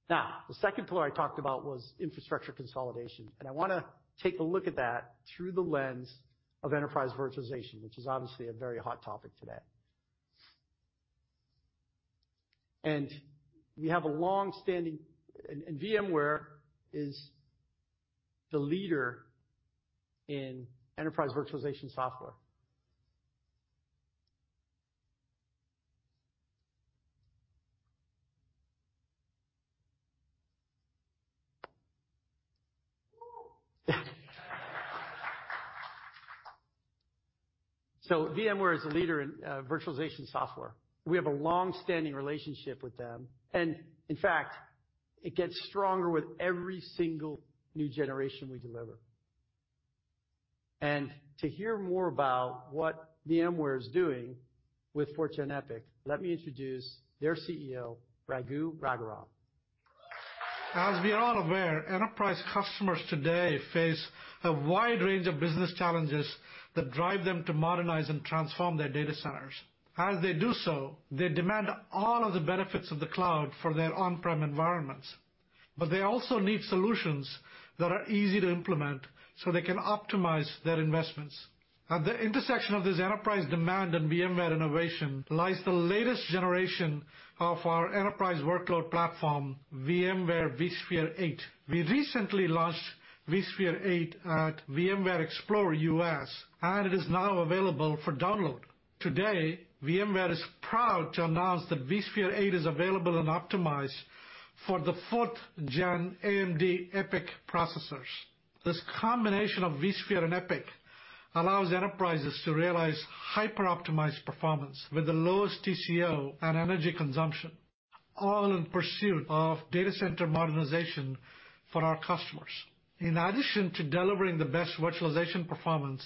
Now, the second pillar I talked about was infrastructure consolidation, and I wanna take a look at that through the lens of enterprise virtualization, which is obviously a very hot topic today. VMware is the leader in enterprise virtualization software. VMware is a leader in virtualization software. We have a long-standing relationship with them, and in fact, it gets stronger with every single new generation we deliver. To hear more about what VMware is doing with 4th Gen EPYC, let me introduce their CEO, Raghu Raghuram. As we are all aware, enterprise customers today face a wide range of business challenges that drive them to modernize and transform their data centers. As they do so, they demand all of the benefits of the cloud for their on-prem environments. They also need solutions that are easy to implement so they can optimize their investments. At the intersection of this enterprise demand and VMware innovation lies the latest generation of our enterprise workload platform, VMware vSphere 8. We recently launched vSphere 8 at VMware Explore U.S., and it is now available for download. Today, VMware is proud to announce that vSphere 8 is available and optimized for the 4th Gen AMD EPYC processors. This combination of vSphere and EPYC allows enterprises to realize hyper-optimized performance with the lowest TCO and energy consumption, all in pursuit of data center modernization for our customers. In addition to delivering the best virtualization performance,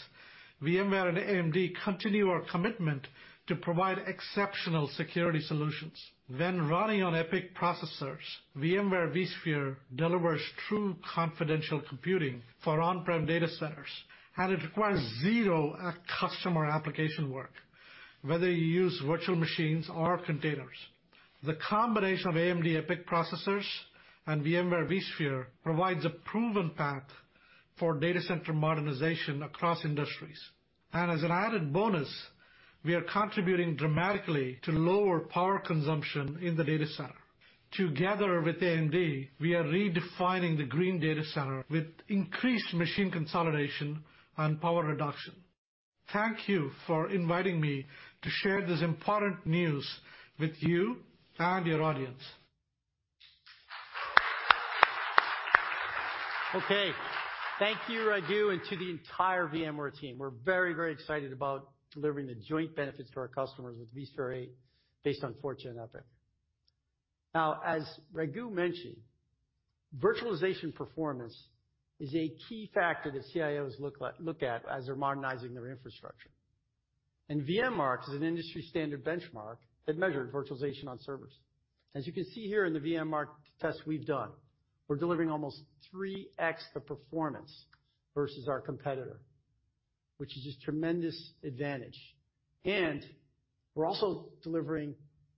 VMware and AMD continue our commitment to provide exceptional security solutions. When running on EPYC processors, VMware vSphere delivers true confidential computing for on-prem data centers, and it requires zero customer application work whether you use virtual machines or containers. The combination of AMD EPYC processors and VMware vSphere provides a proven path for data center modernization across industries. As an added bonus, we are contributing dramatically to lower power consumption in the data center. Together with AMD, we are redefining the green data center with increased machine consolidation and power reduction. Thank you for inviting me to share this important news with you and your audience. Okay. Thank you, Raghu, and to the entire VMware team. We're very, very excited about delivering the joint benefits to our customers with vSphere based on 4th Gen EPYC. Now, as Raghu mentioned, virtualization performance is a key factor that CIOs look at as they're modernizing their infrastructure. VMmark is an industry standard benchmark that measured virtualization on servers. As you can see here in the VMmark test we've done, we're delivering almost 3x the performance versus our competitor, which is just tremendous advantage. We're also delivering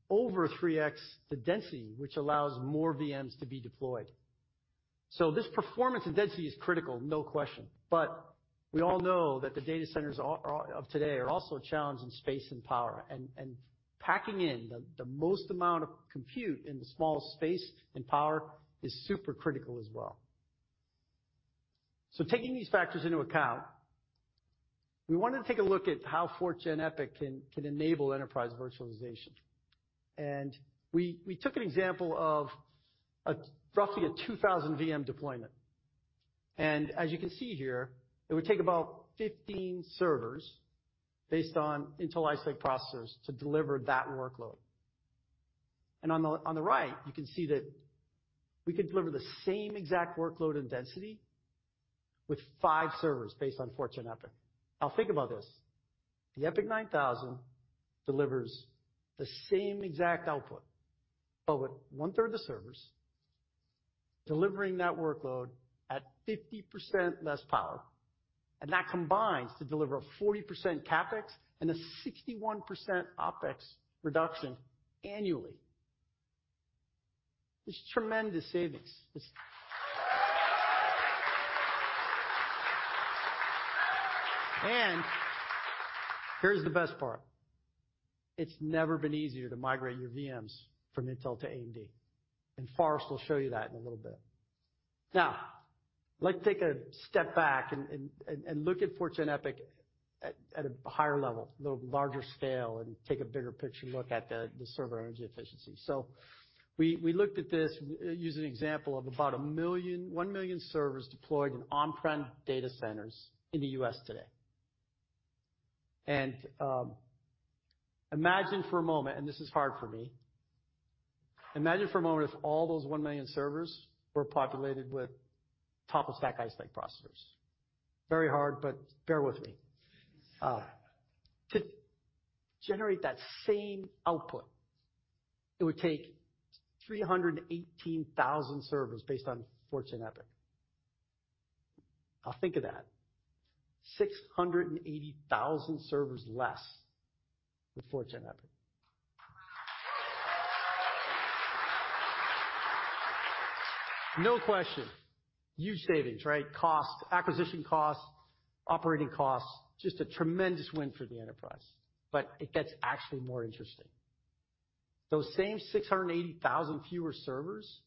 over 3x the density, which allows more VMs to be deployed. This performance and density is critical, no question. We all know that the data centers are of today are also challenged in space and power and packing in the most amount of compute in the smallest space and power is super critical as well. Taking these factors into account, we wanted to take a look at how 4th Gen EPYC can enable enterprise virtualization. We took an example of a roughly 2,000 VM deployment. As you can see here, it would take about 15 servers based on Intel Ice Lake processors to deliver that workload. On the right, you can see that we could deliver the same exact workload and density with five servers based on 4th Gen EPYC. Now think about this, the EPYC 9004 delivers the same exact output, but with 1/3 the servers delivering that workload at 50% less power, and that combines to deliver a 40% CapEx and a 61% OpEx reduction annually. It's tremendous savings. Here's the best part. It's never been easier to migrate your VMs from Intel to AMD, and Forrest will show you that in a little bit. Now, I'd like to take a step back and look at 4th Gen EPYC at a higher level, little larger scale, and take a bigger picture look at the server energy efficiency. We looked at this, use an example of about one million servers deployed in on-prem data centers in the U.S. today. Imagine for a moment, and this is hard for me. Imagine for a moment if all those one million servers were populated with top-of-stack Ice Lake processors. Very hard, but bear with me. To generate that same output, it would take 318,000 servers based on 4th Gen EPYC. Now think of that. 680,000 servers less with 4th Gen EPYC. No question. Huge savings, right? Cost, acquisition costs, operating costs, just a tremendous win for the enterprise. It gets actually more interesting. Those same 680,000 fewer servers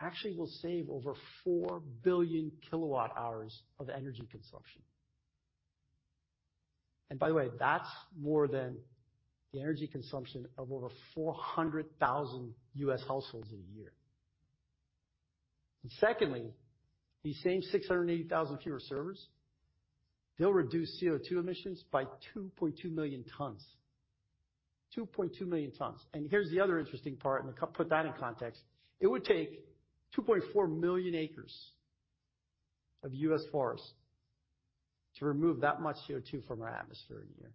actually will save over 4 billion kWh of energy consumption. By the way, that's more than the energy consumption of over 400,000 U.S. households in a year. Secondly, these same 680,000 fewer servers, they'll reduce CO₂ emissions by 2.2 million tons. 2.2 million tons. Here's the other interesting part, and put that in context. It would take 2.4 million acres of U.S. forests to remove that much CO₂ from our atmosphere in a year.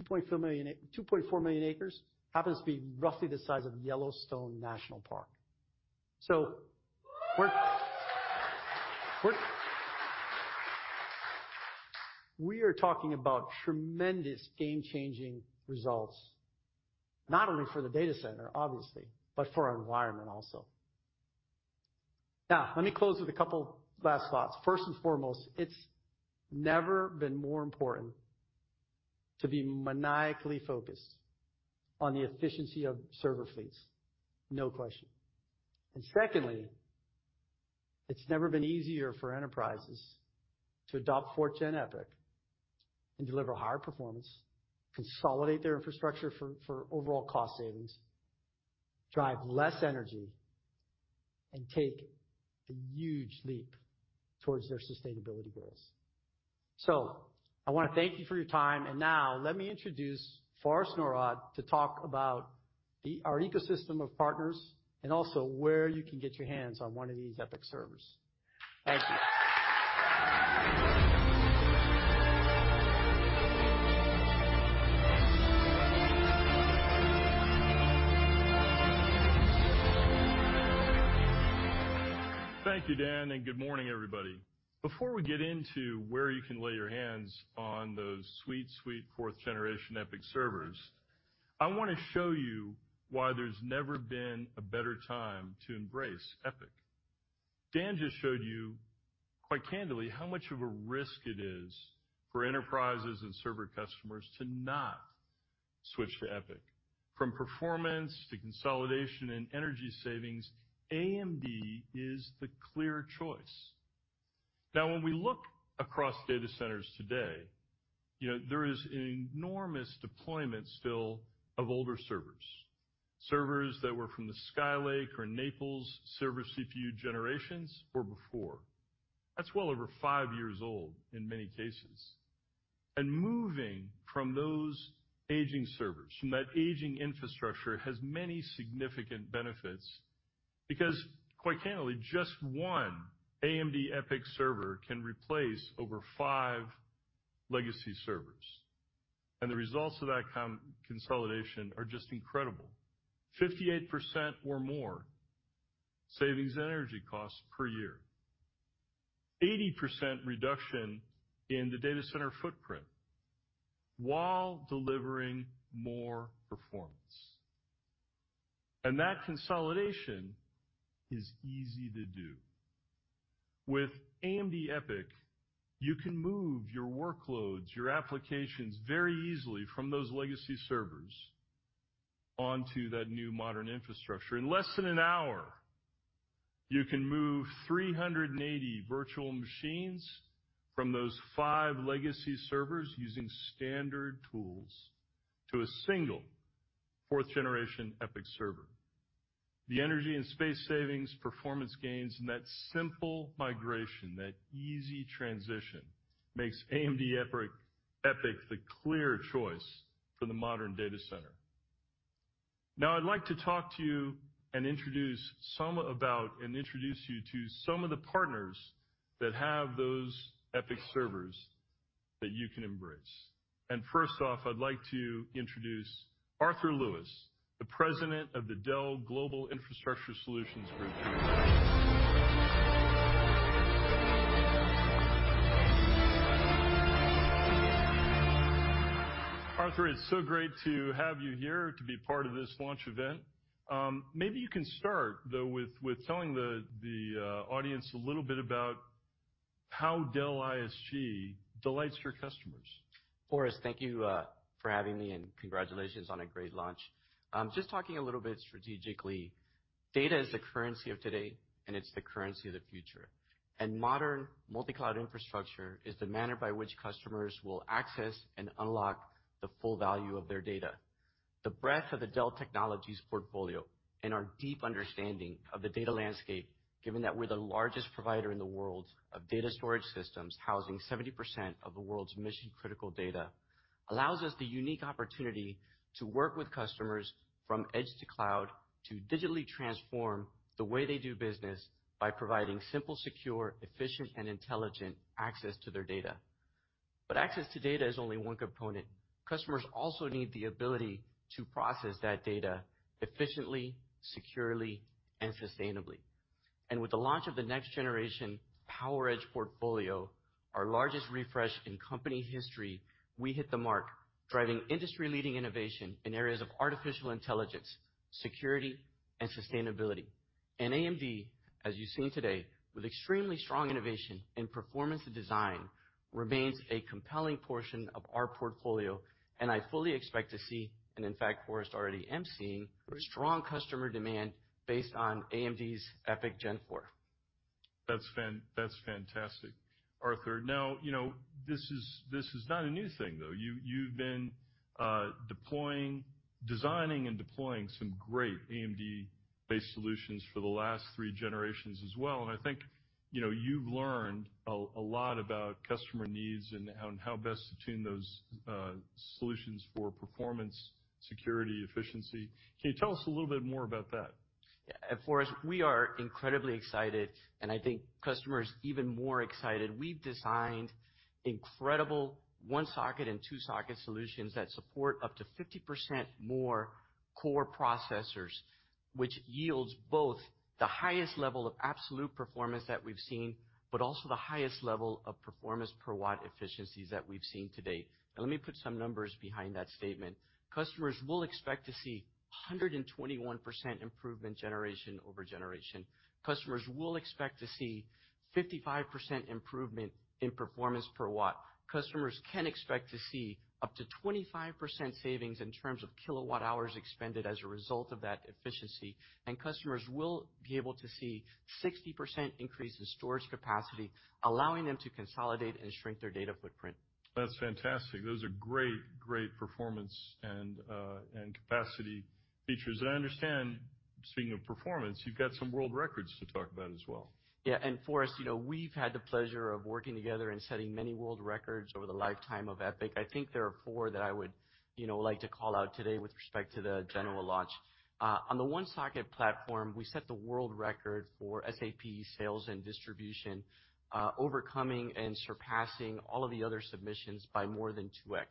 2.4 million acres happens to be roughly the size of Yellowstone National Park. We are talking about tremendous game-changing results, not only for the data center, obviously, but for our environment also. Now, let me close with a couple last thoughts. First and foremost, it's never been more important to be maniacally focused on the efficiency of server fleets. No question. Secondly, it's never been easier for enterprises to adopt 4th Gen EPYC and deliver higher performance, consolidate their infrastructure for overall cost savings, drive less energy, and take a huge leap towards their sustainability goals. I wanna thank you for your time, and now let me introduce Forrest Norrod to talk about our ecosystem of partners and also where you can get your hands on one of these EPYC servers. Thank you. Thank you, Dan, and good morning, everybody. Before we get into where you can lay your hands on those sweet 4th Gen EPYC servers, I wanna show you why there's never been a better time to embrace EPYC. Dan just showed you, quite candidly, how much of a risk it is for enterprises and server customers to not switch to EPYC. From performance to consolidation and energy savings, AMD is the clear choice. Now, when we look across data centers today, you know, there is an enormous deployment still of older servers that were from the Skylake or Naples server CPU generations or before. That's well over five years old in many cases. Moving from those aging servers, from that aging infrastructure, has many significant benefits because, quite candidly, just one AMD EPYC server can replace over five legacy servers, and the results of that consolidation are just incredible. 58% or more savings in energy costs per year. 80% reduction in the data center footprint while delivering more performance. That consolidation is easy to do. With AMD EPYC, you can move your workloads, your applications very easily from those legacy servers onto that new modern infrastructure. In less than an hour, you can move 380 virtual machines from those five legacy servers using standard tools to a single 4th Gen EPYC server. The energy and space savings, performance gains, and that simple migration, that easy transition, makes AMD EPYC the clear choice for the modern data center. Now I'd like to talk to you and introduce you to some of the partners that have those EPYC servers that you can embrace. First off, I'd like to introduce Arthur Lewis, the President of the Dell Global Infrastructure Solutions Group. Arthur, it's so great to have you here to be part of this launch event. Maybe you can start, though, with telling the audience a little bit about how Dell ISG delights your customers. Forrest, thank you for having me, and congratulations on a great launch. Just talking a little bit strategically, data is the currency of today, and it's the currency of the future. Modern multi-cloud infrastructure is the manner by which customers will access and unlock the full value of their data. The breadth of the Dell Technologies portfolio and our deep understanding of the data landscape, given that we're the largest provider in the world of data storage systems, housing 70% of the world's mission-critical data, allows us the unique opportunity to work with customers from edge to cloud to digitally transform the way they do business by providing simple, secure, efficient, and intelligent access to their data. Access to data is only one component. Customers also need the ability to process that data efficiently, securely and sustainably. With the launch of the next generation PowerEdge portfolio, our largest refresh in company history, we hit the mark, driving industry-leading innovation in areas of artificial intelligence, security and sustainability. AMD, as you've seen today, with extremely strong innovation in performance and design, remains a compelling portion of our portfolio, and I fully expect to see, and in fact, Forrest, already am seeing, strong customer demand based on AMD's 4th Gen EPYC. That's fantastic, Arthur. Now, you know, this is not a new thing, though. You've been designing and deploying some great AMD-based solutions for the last three generations as well. I think, you know, you've learned a lot about customer needs and how best to tune those solutions for performance, security, efficiency. Can you tell us a little bit more about that? Yeah. Forrest, we are incredibly excited, and I think customers even more excited. We've designed incredible one-socket and two-socket solutions that support up to 50% more core processors, which yields both the highest level of absolute performance that we've seen, but also the highest level of performance per watt efficiencies that we've seen to date. Let me put some numbers behind that statement. Customers will expect to see 121% improvement generation over generation. Customers will expect to see 55% improvement in performance per watt. Customers can expect to see up to 25% savings in terms of kWh expended as a result of that efficiency. Customers will be able to see 60% increase in storage capacity, allowing them to consolidate and shrink their data footprint. That's fantastic. Those are great performance and capacity features. I understand, speaking of performance, you've got some world records to talk about as well. Yeah. Forrest, you know, we've had the pleasure of working together and setting many world records over the lifetime of EPYC. I think there are four that I would, you know, like to call out today with respect to the general launch. On the one-socket platform, we set the world record for SAP sales and distribution, overcoming and surpassing all of the other submissions by more than 2x.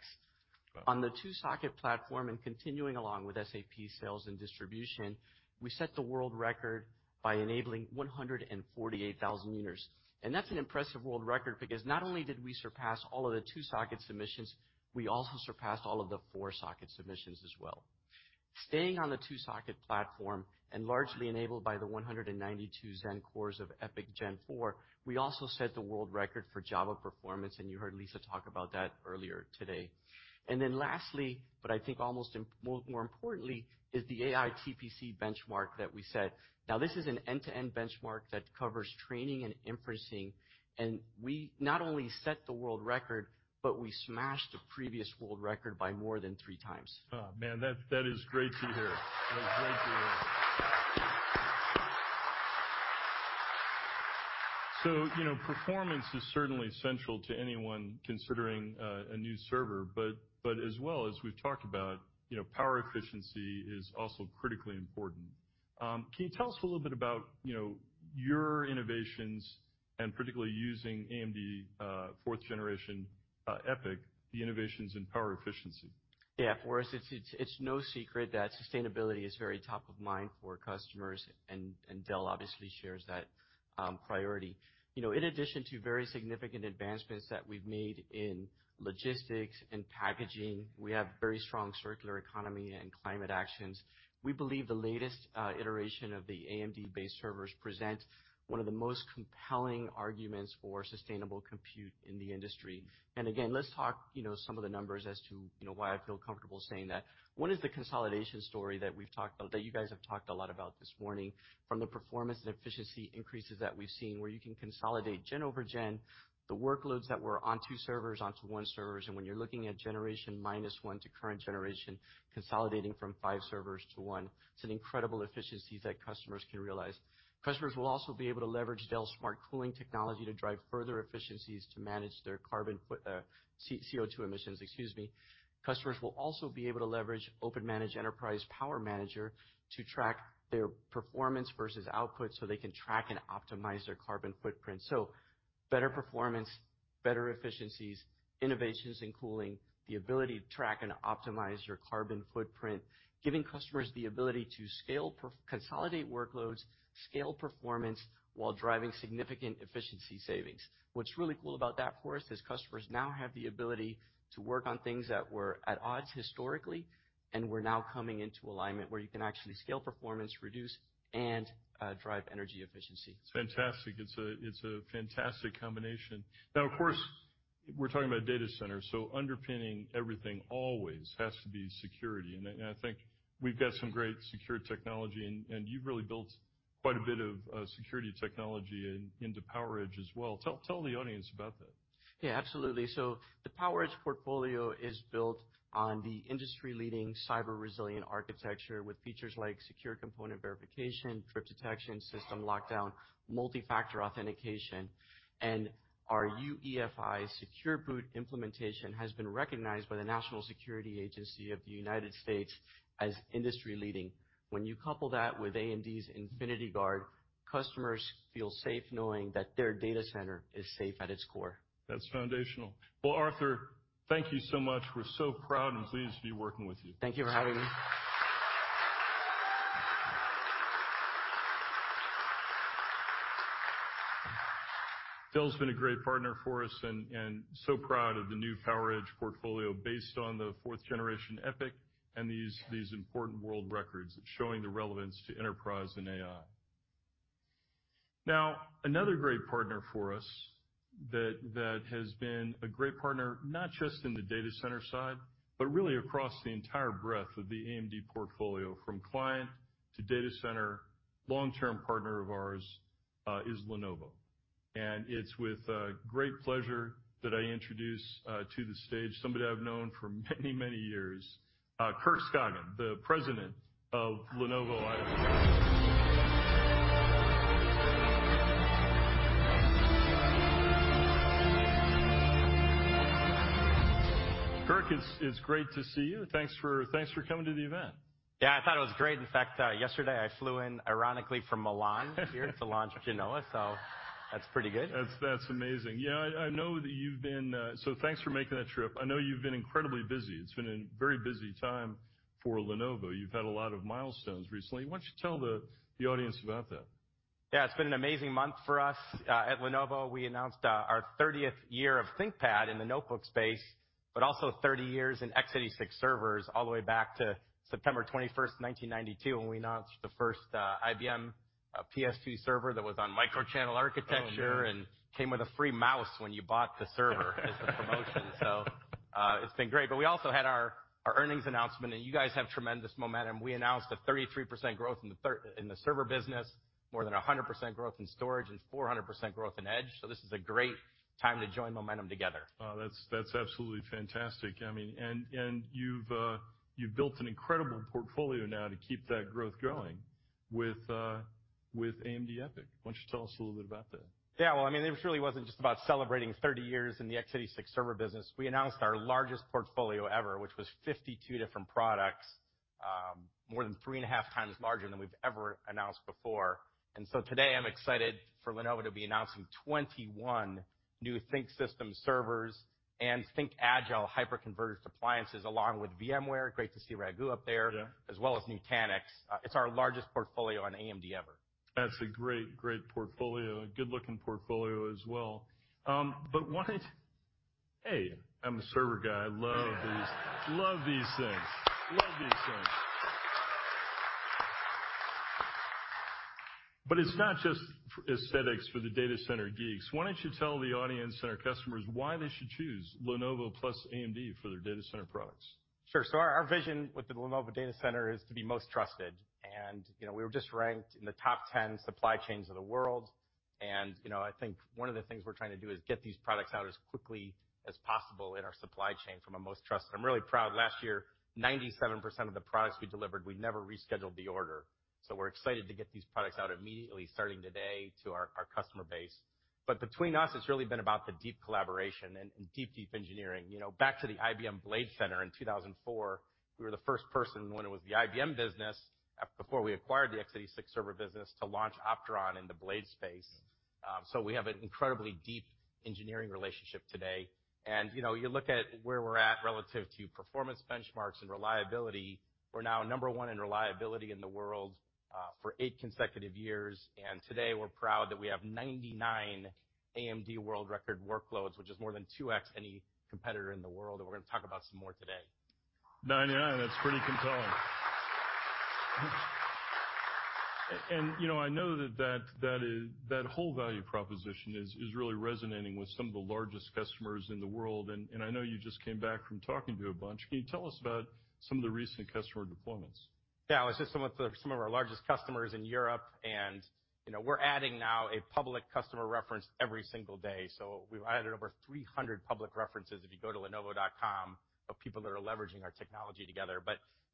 On the two-socket platform and continuing along with SAP sales and distribution, we set the world record by enabling 148,000 users. That's an impressive world record because not only did we surpass all of the two-socket submissions, we also surpassed all of the four-socket submissions as well. Staying on the two-socket platform and largely enabled by the 192 Zen cores of 4th Gen EPYC, we also set the world record for Java performance, and you heard Lisa talk about that earlier today. Then lastly, but I think more importantly, is the TPCx-AI benchmark that we set. Now this is an end-to-end benchmark that covers training and inferencing, and we not only set the world record, but we smashed the previous world record by more than 3x. Oh, man, that is great to hear. That is great to hear. You know, performance is certainly central to anyone considering a new server. But as well as we've talked about, you know, power efficiency is also critically important. Can you tell us a little bit about, you know, your innovations and particularly using AMD 4th Gen EPYC, the innovations in power efficiency? Yeah. For us, it's no secret that sustainability is very top of mind for customers, and Dell obviously shares that priority. You know, in addition to very significant advancements that we've made in logistics and packaging, we have very strong circular economy and climate actions. We believe the latest iteration of the AMD-based servers present one of the most compelling arguments for sustainable compute in the industry. Again, let's talk, you know, some of the numbers as to, you know, why I feel comfortable saying that. One is the consolidation story that you guys have talked a lot about this morning from the performance and efficiency increases that we've seen, where you can consolidate gen-over-gen, the workloads that were on two servers onto one servers, and when you're looking at generation minus one to current generation, consolidating from five servers to one. It's an incredible efficiency that customers can realize. Customers will also be able to leverage Dell Smart Cooling technology to drive further efficiencies to manage their carbon footprint CO₂ emissions, excuse me. Customers will also be able to leverage OpenManage Enterprise Power Manager to track their performance versus output so they can track and optimize their carbon footprint. Better performance, better efficiencies, innovations in cooling, the ability to track and optimize your carbon footprint. Giving customers the ability to consolidate workloads, scale performance while driving significant efficiency savings. What's really cool about that for us is customers now have the ability to work on things that were at odds historically and were now coming into alignment where you can actually scale performance, reduce, and drive energy efficiency. It's fantastic. It's a fantastic combination. Now, of course, we're talking about data centers, so underpinning everything always has to be security. I think we've got some great secure technology, and you've really built quite a bit of security technology into PowerEdge as well. Tell the audience about that. Yeah, absolutely. The PowerEdge portfolio is built on the industry-leading cyber resilient architecture with features like secure component verification, trip detection, system lockdown, multi-factor authentication, and our UEFI secure boot implementation has been recognized by the National Security Agency of the United States as industry-leading. When you couple that with AMD's Infinity Guard, customers feel safe knowing that their data center is safe at its core. That's foundational. Well, Arthur, thank you so much. We're so proud and pleased to be working with you. Thank you for having me. Dell's been a great partner for us and so proud of the new PowerEdge portfolio based on the 4th Gen EPYC and these important world records showing the relevance to enterprise and AI. Now, another great partner for us that has been a great partner not just in the data center side, but really across the entire breadth of the AMD portfolio, from client to data center, long-term partner of ours, is Lenovo. It's with great pleasure that I introduce to the stage somebody I've known for many, many years, Kirk Skaugen, the President of Lenovo ISG. Kirk, it's great to see you. Thanks for coming to the event. Yeah, I thought it was great. In fact, yesterday, I flew in, ironically, from Milan here to launch Genoa. That's pretty good. That's amazing. Yeah, I know that you've been. Thanks for making that trip. I know you've been incredibly busy. It's been a very busy time for Lenovo. You've had a lot of milestones recently. Why don't you tell the audience about that? Yeah, it's been an amazing month for us. At Lenovo, we announced our 30th year of ThinkPad in the notebook space, but also 30 years in x86 servers, all the way back to September 21st, 1992, when we announced the first IBM PS/2 server that was on Micro Channel architecture. Oh, man. It came with a free mouse when you bought the server as a promotion. It's been great. We also had our earnings announcement, and you guys have tremendous momentum. We announced a 33% growth in the server business, more than 100% growth in storage, and 400% growth in Edge. This is a great time to join momentum together. Oh, that's absolutely fantastic. I mean, you've built an incredible portfolio now to keep that growth going with AMD EPYC. Why don't you tell us a little bit about that? Yeah. Well, I mean, it really wasn't just about celebrating 30 years in the x86 server business. We announced our largest portfolio ever, which was 52 different products. More than 3.5x Larger than we've ever announced before. Today I'm excited for Lenovo to be announcing 21 new ThinkSystem servers and ThinkAgile hyperconverged appliances, along with VMware. Great to see Raghu up there. Yeah. As well as Nutanix. It's our largest portfolio on AMD ever. That's a great portfolio. A good-looking portfolio as well. Hey, I'm a server guy. I love these things. It's not just aesthetics for the data center geeks. Why don't you tell the audience and our customers why they should choose Lenovo plus AMD for their data center products? Sure. Our vision with the Lenovo data center is to be most trusted. You know, we were just ranked in the top 10 supply chains in the world. You know, I think one of the things we're trying to do is get these products out as quickly as possible in our supply chain from a most trusted. I'm really proud. Last year, 97% of the products we delivered, we never rescheduled the order. We're excited to get these products out immediately starting today to our customer base. Between us, it's really been about the deep collaboration and deep engineering. You know, back to the IBM BladeCenter in 2004, we were the first person when it was the IBM business, before we acquired the x86 server business, to launch Opteron into blade space. We have an incredibly deep engineering relationship today. You know, you look at where we're at relative to performance benchmarks and reliability, we're now number one in reliability in the world, for eight consecutive years. Today, we're proud that we have 99 AMD world record workloads, which is more than 2x any competitor in the world, and we're going to talk about some more today. 99, that's pretty compelling. You know, I know that whole value proposition is really resonating with some of the largest customers in the world. I know you just came back from talking to a bunch. Can you tell us about some of the recent customer deployments? I was just with some of our largest customers in Europe, and, you know, we're adding now a public customer reference every single day. We've added over 300 public references, if you go to lenovo.com, of people that are leveraging our technology together.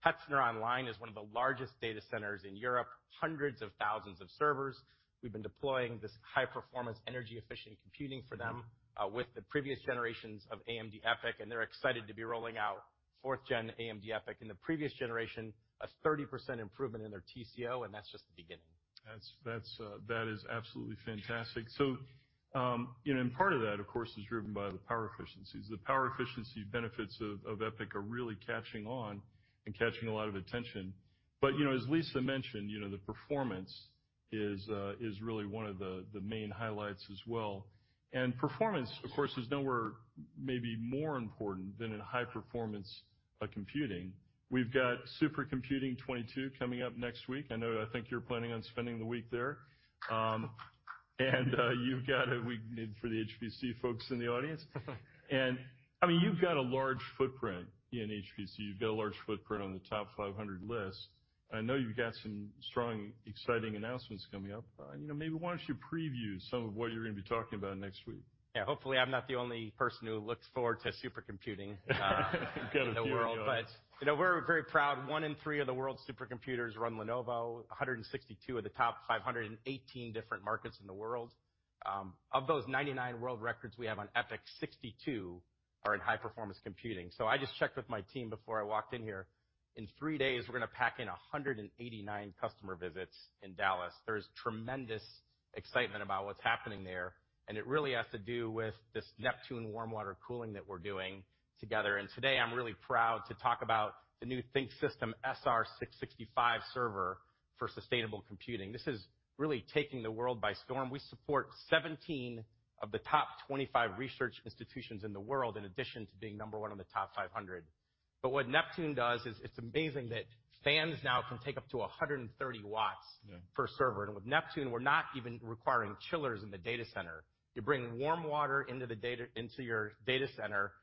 Hetzner Online is one of the largest data centers in Europe, hundreds of thousands of servers. We've been deploying this high-performance energy-efficient computing for them with the previous generations of AMD EPYC, and they're excited to be rolling out 4th Gen AMD EPYC. In the previous generation, a 30% improvement in their TCO, and that's just the beginning. That is absolutely fantastic. You know, part of that, of course, is driven by the power efficiencies. The power efficiency benefits of EPYC are really catching on and catching a lot of attention. You know, as Lisa mentioned, you know, the performance is really one of the main highlights as well. Performance, of course, is nowhere maybe more important than in high performance computing. We've got Supercomputing 22 coming up next week. I know. I think you're planning on spending the week there. You've got a week made for the HPC folks in the audience. I mean, you've got a large footprint in HPC. You've got a large footprint on the TOP500 list. I know you've got some strong, exciting announcements coming up. You know, maybe why don't you preview some of what you're gonna be talking about next week? Yeah. Hopefully, I'm not the only person who looks forward to Supercomputing- You've got a few of us. in the world. You know, we're very proud, 1/3 of the world's supercomputers run Lenovo, 162 of the TOP500 in 18 different markets in the world. Of those 99 world records we have on EPYC, 62 are in high-performance computing. I just checked with my team before I walked in here. In three days, we're gonna pack in 189 customer visits in Dallas. There's tremendous excitement about what's happening there, and it really has to do with this Neptune warm water cooling that we're doing together. Today I'm really proud to talk about the new ThinkSystem SR665 server for sustainable computing. This is really taking the world by storm. We support 17 of the top 25 research institutions in the world, in addition to being number one on the TOP500. What Neptune does is, it's amazing that fans now can take up to 130 W... Yeah. ...per server. With Neptune, we're not even requiring chillers in the data center. You bring warm water into your data center.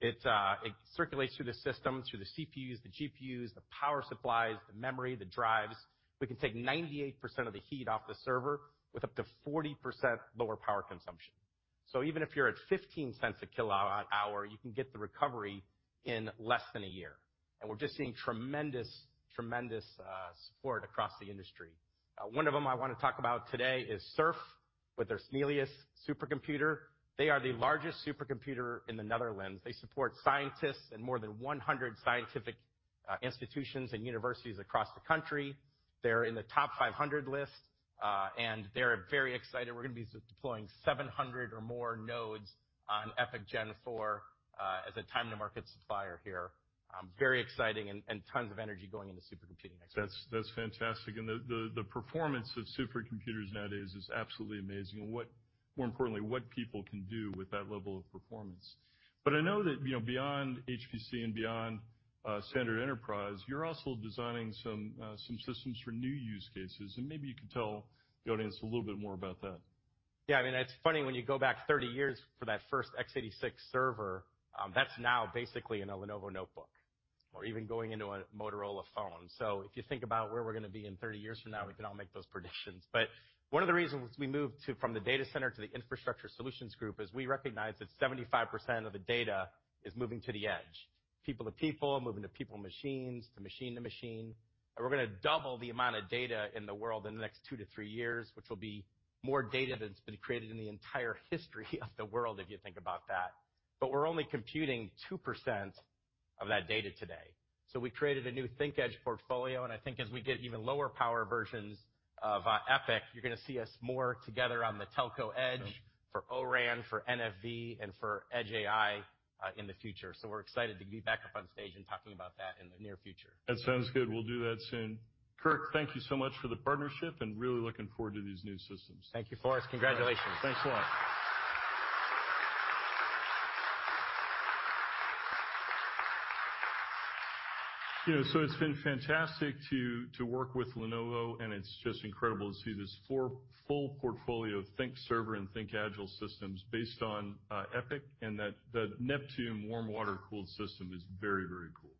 It circulates through the system, through the CPUs, the GPUs, the power supplies, the memory, the drives. We can take 98% of the heat off the server with up to 40% lower power consumption. Even if you're at $0.15 per kWh, you can get the recovery in less than a year. We're just seeing tremendous support across the industry. One of them I wanna talk about today is SURF with their Snellius Supercomputer. They are the largest supercomputer in the Netherlands. They support scientists in more than 100 scientific institutions and universities across the country. They're in the TOP500 list, and they're very excited. We're gonna be deploying 700 or more nodes on 4th Gen EPYC, as a time-to-market supplier here. Very exciting and tons of energy going into supercomputing next week. That's fantastic. The performance of supercomputers nowadays is absolutely amazing, and, more importantly, what people can do with that level of performance. I know that, you know, beyond HPC and beyond standard enterprise, you're also designing some systems for new use cases, and maybe you could tell the audience a little bit more about that. Yeah. I mean, it's funny when you go back 30 years for that first x86 server, that's now basically in a Lenovo notebook or even going into a Motorola phone. If you think about where we're gonna be in 30 years from now, we can all make those predictions. One of the reasons we moved from the data center to the Infrastructure Solutions Group is we recognize that 75% of the data is moving to the edge. People to people, moving to people and machines, to machine to machine. We're gonna double the amount of data in the world in the next two to three years, which will be more data than's been created in the entire history of the world, if you think about that. We're only computing 2% of that data today. We created a new ThinkEdge portfolio, and I think as we get even lower power versions of EPYC, you're going to see us more together on the telco edge for O-RAN, for NFV, and for Edge AI in the future. We're excited to be back up on stage and talking about that in the near future. That sounds good. We'll do that soon. Kirk, thank you so much for the partnership and really looking forward to these new systems. Thank you, Forrest. Congratulations. Thanks a lot. You know, it's been fantastic to work with Lenovo, and it's just incredible to see this full portfolio of ThinkSystem and ThinkAgile systems based on EPYC, and that Neptune warm water cooled system is very, very cool.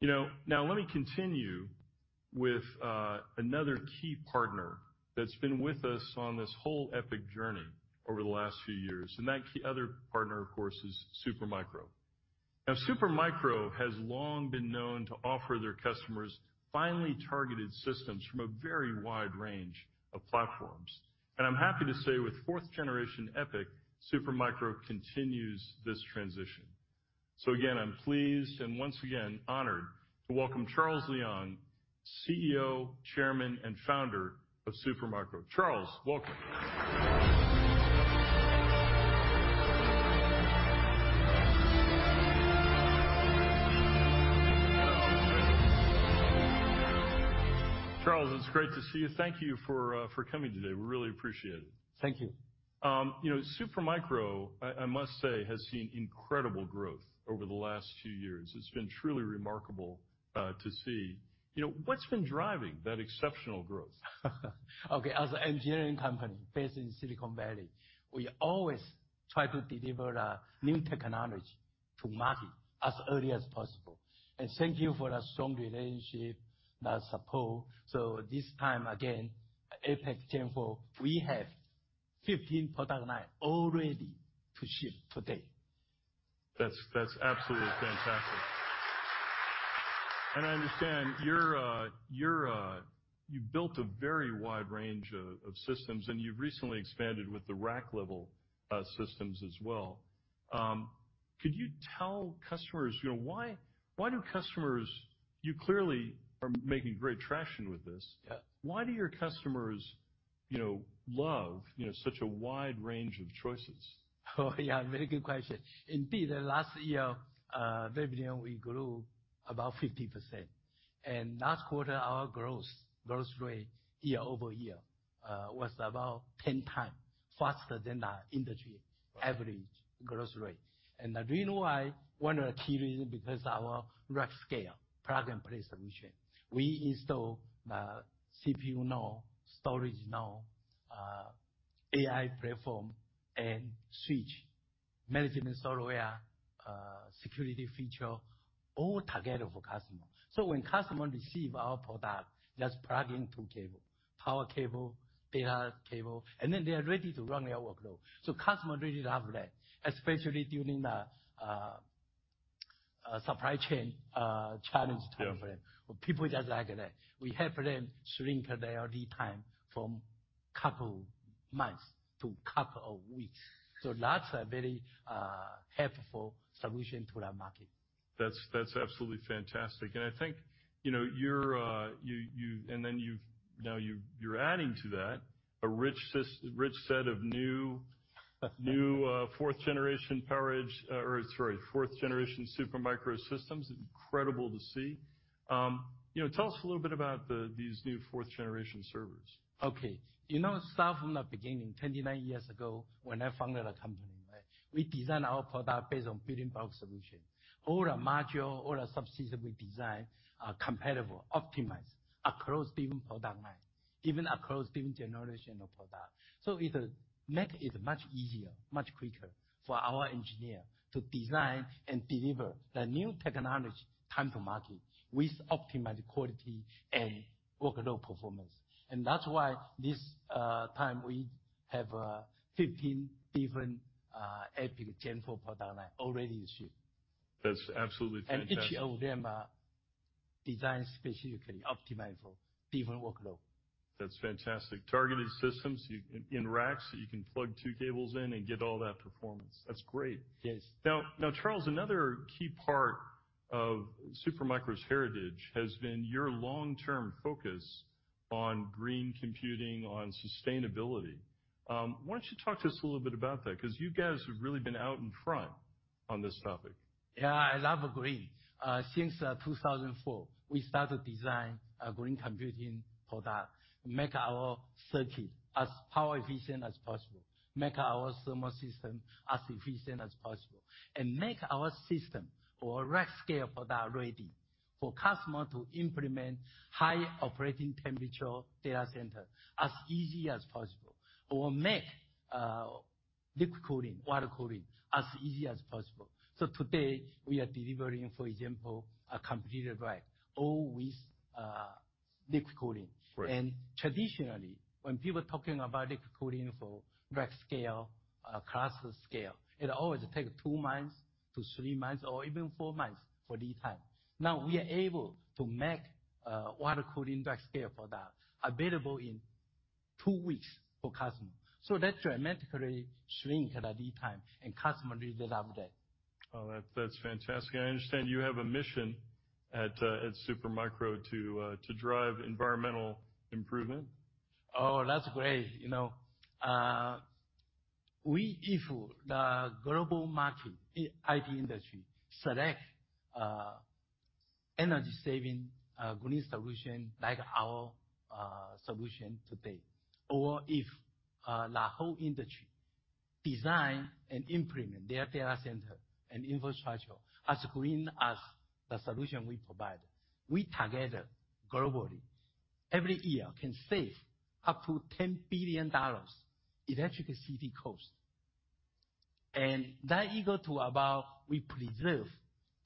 You know, now let me continue with another key partner that's been with us on this whole EPYC journey over the last few years, and that key other partner, of course, is Supermicro. Now, Supermicro has long been known to offer their customers finely targeted systems from a very wide range of platforms. I'm happy to say with 4th Gen EPYC, Supermicro continues this transition. Again, I'm pleased and once again honored to welcome Charles Liang, CEO, Chairman, and Founder of Supermicro. Charles, welcome. Charles, it's great to see you. Thank you for coming today. We really appreciate it. Thank you. You know, Supermicro, I must say, has seen incredible growth over the last few years. It's been truly remarkable to see. You know, what's been driving that exceptional growth? Okay. As an engineering company based in Silicon Valley, we always try to deliver new technology to market as early as possible. Thank you for the strong relationship, the support. This time, again, EPYC 4th Gen, we have 15 product line all ready to ship today. That's absolutely fantastic. I understand you built a very wide range of systems, and you've recently expanded with the rack level systems as well. Could you tell customers, you know. You clearly are making great traction with this. Yeah. Why do your customers, you know, love, you know, such a wide range of choices? Oh, yeah, very good question. Indeed, last year, revenue we grew about 50%. Last quarter, our growth rate year-over-year was about 10x faster than the industry average growth rate. The reason why, one of the key reasons, because our rack scale plug and play solution. We install the CPU node, storage node, AI platform, and switch management software, security feature all together for customer. When customer receive our product, just plug in two cable, power cable, data cable, and then they are ready to run their workload. Customer really love that, especially during the supply chain challenge time frame. Yes. People just like that. We help them shrink their lead time from couple months to couple of weeks. That's a very helpful solution to the market. That's absolutely fantastic. I think, you know, you're now adding to that a rich set of new 4th generation Supermicro systems. Incredible to see. You know, tell us a little bit about these new 4th generation servers. You know, start from the beginning, 29 years ago, when I founded a company, we designed our product based on building block solution. All the module, all the subsystem we design are compatible, optimized across different product line, even across different generation of product. It makes it much easier, much quicker for our engineer to design and deliver the new technology time to market with optimized quality and workload performance. That's why this time we have 15 different 4th Gen EPYC product line all ready to ship. That's absolutely fantastic. Each of them are designed specifically optimized for different workload. That's fantastic. Targeted systems in racks that you can plug two cables in and get all that performance. That's great. Yes. Now, Charles, another key part of Supermicro's heritage has been your long-term focus on green computing, on sustainability. Why don't you talk to us a little bit about that? 'Cause you guys have really been out in front on this topic. Yeah, I love green. Since 2004, we started design a green computing product, make our circuit as power efficient as possible, make our thermal system as efficient as possible, and make our system or rack scale product ready for customer to implement high operating temperature data center as easy as possible, or make liquid cooling, water cooling as easy as possible. Today we are delivering, for example, a completed rack, all with liquid cooling. Right. Traditionally, when people talking about liquid cooling for rack scale, cluster scale, it always take two to three months or even four months for lead time. Now we are able to make water cooling rack scale product available in two weeks for customer. So that dramatically shrink the lead time, and customer really love that. Oh, that's fantastic. I understand you have a mission at Supermicro to drive environmental improvement. Oh, that's great. You know, if the global market IT industry select energy saving green solution like our solution today, or if the whole industry design and implement their data center and infrastructure as green as the solution we provide, we together, globally, every year can save up to $10 billion electricity cost. That equal to about we preserve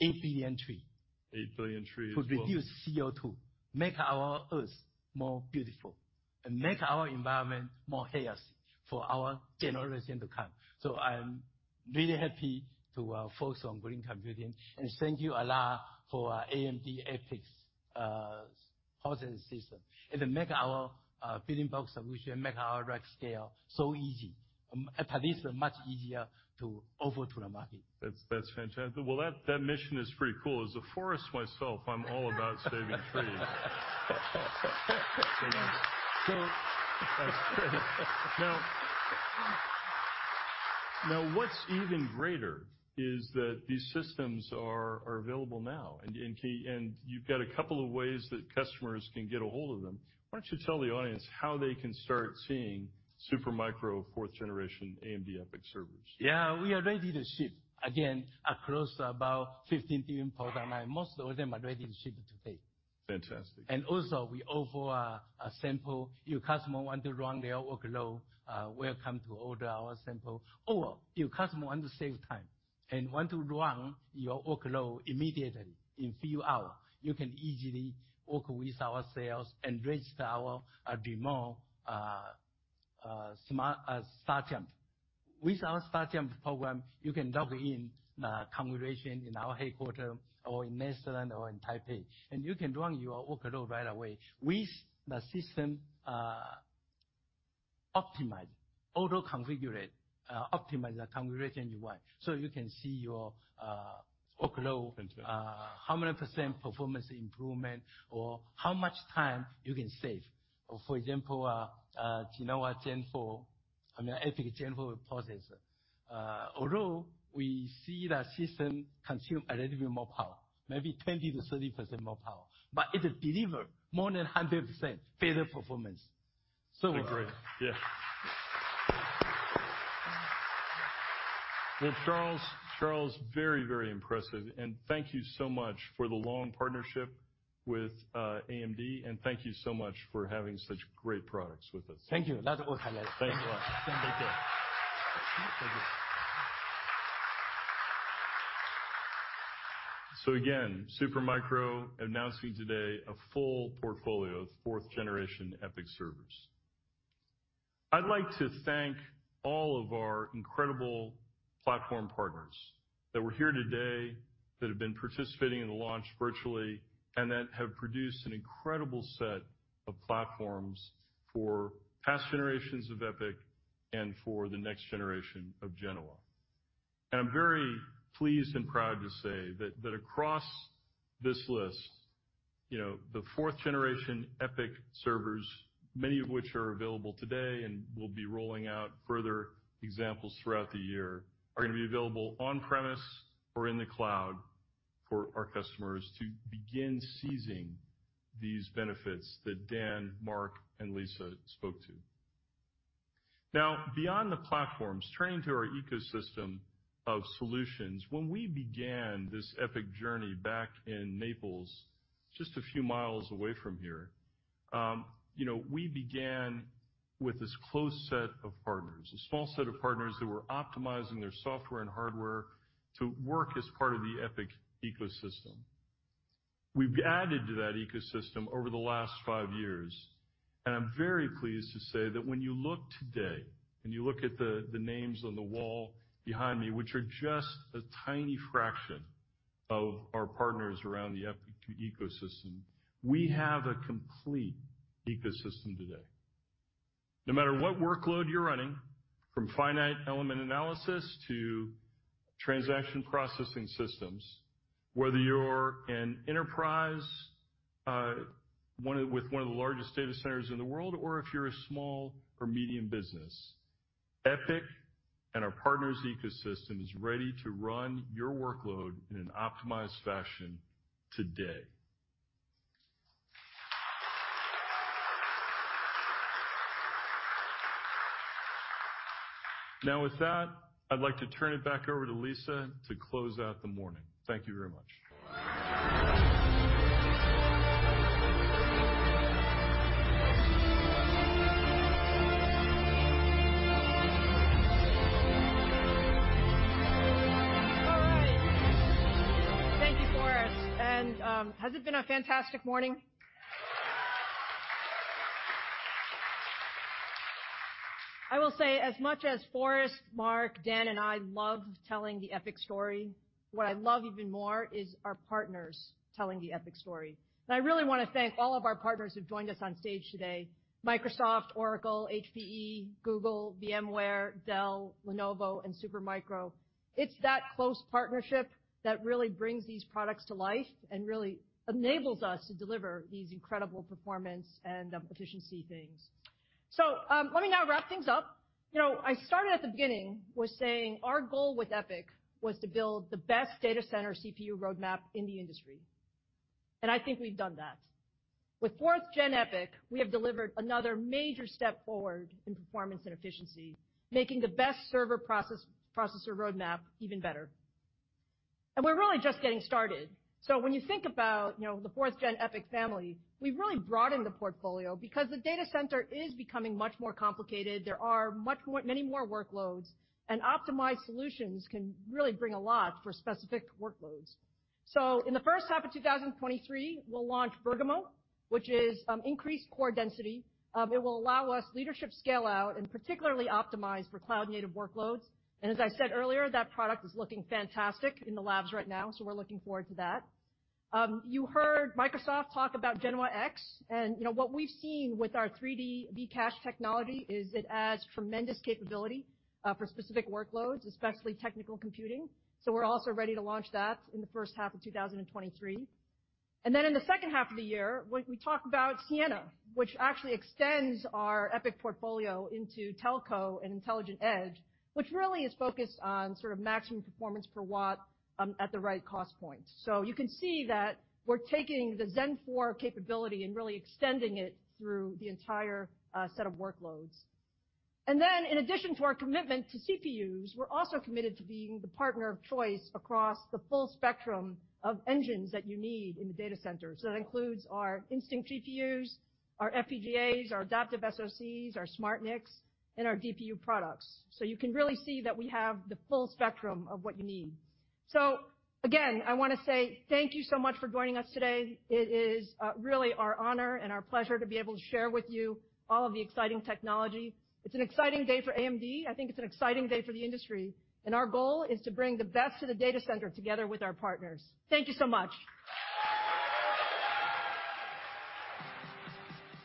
eight billion trees. Eight billion trees. To reduce CO₂, make our Earth more beautiful, and make our environment more healthy for our generation to come. I'm really happy to focus on green computing, and thank you a lot for AMD EPYC processing system. It make our building block solution, make our rack scale so easy. At least much easier to offer to the market. That's fantastic. Well, that mission is pretty cool. As a forest myself, I'm all about saving trees. Now what's even greater is that these systems are available now. And you've got a couple of ways that customers can get ahold of them. Why don't you tell the audience how they can start seeing Supermicro 4th Gen AMD EPYC servers? Yeah. We are ready to ship, again, across about 15 different product lines. Most of them are ready to ship today. Fantastic. Also, we offer a sample. If customer want to run their workload, welcome to order our sample. Or if customer want to save time and want to run your workload immediately in few hours, you can easily work with our sales and reach our remote, smart, JumpStart. With our JumpStart program, you can dock in the configuration in our headquarters or in Netherlands or in Taipei, and you can run your workload right away with the system, optimized, auto-configured, optimized the configuration you want. You can see your workload. Fantastic. How many percent performance improvement or how much time you can save. For example, Genoa Gen 4, I mean, 4th Gen EPYC processor. Although we see the system consume a little bit more power, maybe 20%-30% more power, but it deliver more than 100% better performance. Agree. Yeah. Well, Charles, very impressive. Thank you so much for the long partnership with AMD and thank you so much for having such great products with us. Thank you. That was my pleasure. Thanks a lot. Thank you. Again, Supermicro announcing today a full portfolio of 4th Gen EPYC servers. I'd like to thank all of our incredible platform partners that were here today, that have been participating in the launch virtually, and that have produced an incredible set of platforms for past generations of EPYC and for the next generation of Genoa. I'm very pleased and proud to say that across this list, you know, the 4th Gen EPYC servers, many of which are available today and we'll be rolling out further examples throughout the year, are gonna be available on premise or in the cloud for our customers to begin seizing these benefits that Dan, Mark, and Lisa spoke to. Now, beyond the platforms, turning to our ecosystem of solutions, when we began this EPYC journey back in Naples, just a few miles away from here, you know, we began with this close set of partners, a small set of partners that were optimizing their software and hardware to work as part of the EPYC ecosystem. We've added to that ecosystem over the last five years, and I'm very pleased to say that when you look today at the names on the wall behind me, which are just a tiny fraction of our partners around the EPYC ecosystem, we have a complete ecosystem today. No matter what workload you're running, from finite element analysis to transaction processing systems, whether you're an enterprise with one of the largest data centers in the world, or if you're a small or medium business, EPYC and our partners ecosystem is ready to run your workload in an optimized fashion today. Now with that, I'd like to turn it back over to Lisa to close out the morning. Thank you very much. All right. Thank you, Forrest. Has it been a fantastic morning? I will say as much as Forrest, Mark, Dan, and I love telling the EPYC story, what I love even more is our partners telling the EPYC story. I really wanna thank all of our partners who've joined us on stage today, Microsoft, Oracle, HPE, Google, VMware, Dell, Lenovo, and Supermicro. It's that close partnership that really brings these products to life and really enables us to deliver these incredible performance and efficiency things. Let me now wrap things up. You know, I started at the beginning with saying our goal with EPYC was to build the best data center CPU roadmap in the industry, and I think we've done that. With 4th Gen EPYC, we have delivered another major step forward in performance and efficiency, making the best server processor roadmap even better. We're really just getting started. When you think about, you know, the 4th Gen EPYC family, we've really broadened the portfolio because the data center is becoming much more complicated. There are many more workloads, and optimized solutions can really bring a lot for specific workloads. In the first half of 2023, we'll launch Bergamo, which is increased core density. It will allow us leadership scale out and particularly optimized for cloud native workloads. As I said earlier that product is looking fantastic in the labs right now, so we're looking forward to that. You heard Microsoft talk about Genoa-X, and, you know, what we've seen with our 3D V-Cache technology is it adds tremendous capability for specific workloads, especially technical computing. We're also ready to launch that in the first half of 2023. In the second half of the year, we talk about Siena, which actually extends our EPYC portfolio into telco and intelligent edge, which really is focused on sort of maximum performance per watt at the right cost point. You can see that we're taking the Zen 4 capability and really extending it through the entire set of workloads. In addition to our commitment to CPUs, we're also committed to being the partner of choice across the full spectrum of engines that you need in the data center. That includes our Instinct GPUs, our FPGAs, our adaptive SoCs, our SmartNICs, and our DPU products. You can really see that we have the full spectrum of what you need. Again, I wanna say thank you so much for joining us today. It is really our honor and our pleasure to be able to share with you all of the exciting technology. It's an exciting day for AMD. I think it's an exciting day for the industry, and our goal is to bring the best to the data center together with our partners. Thank you so much.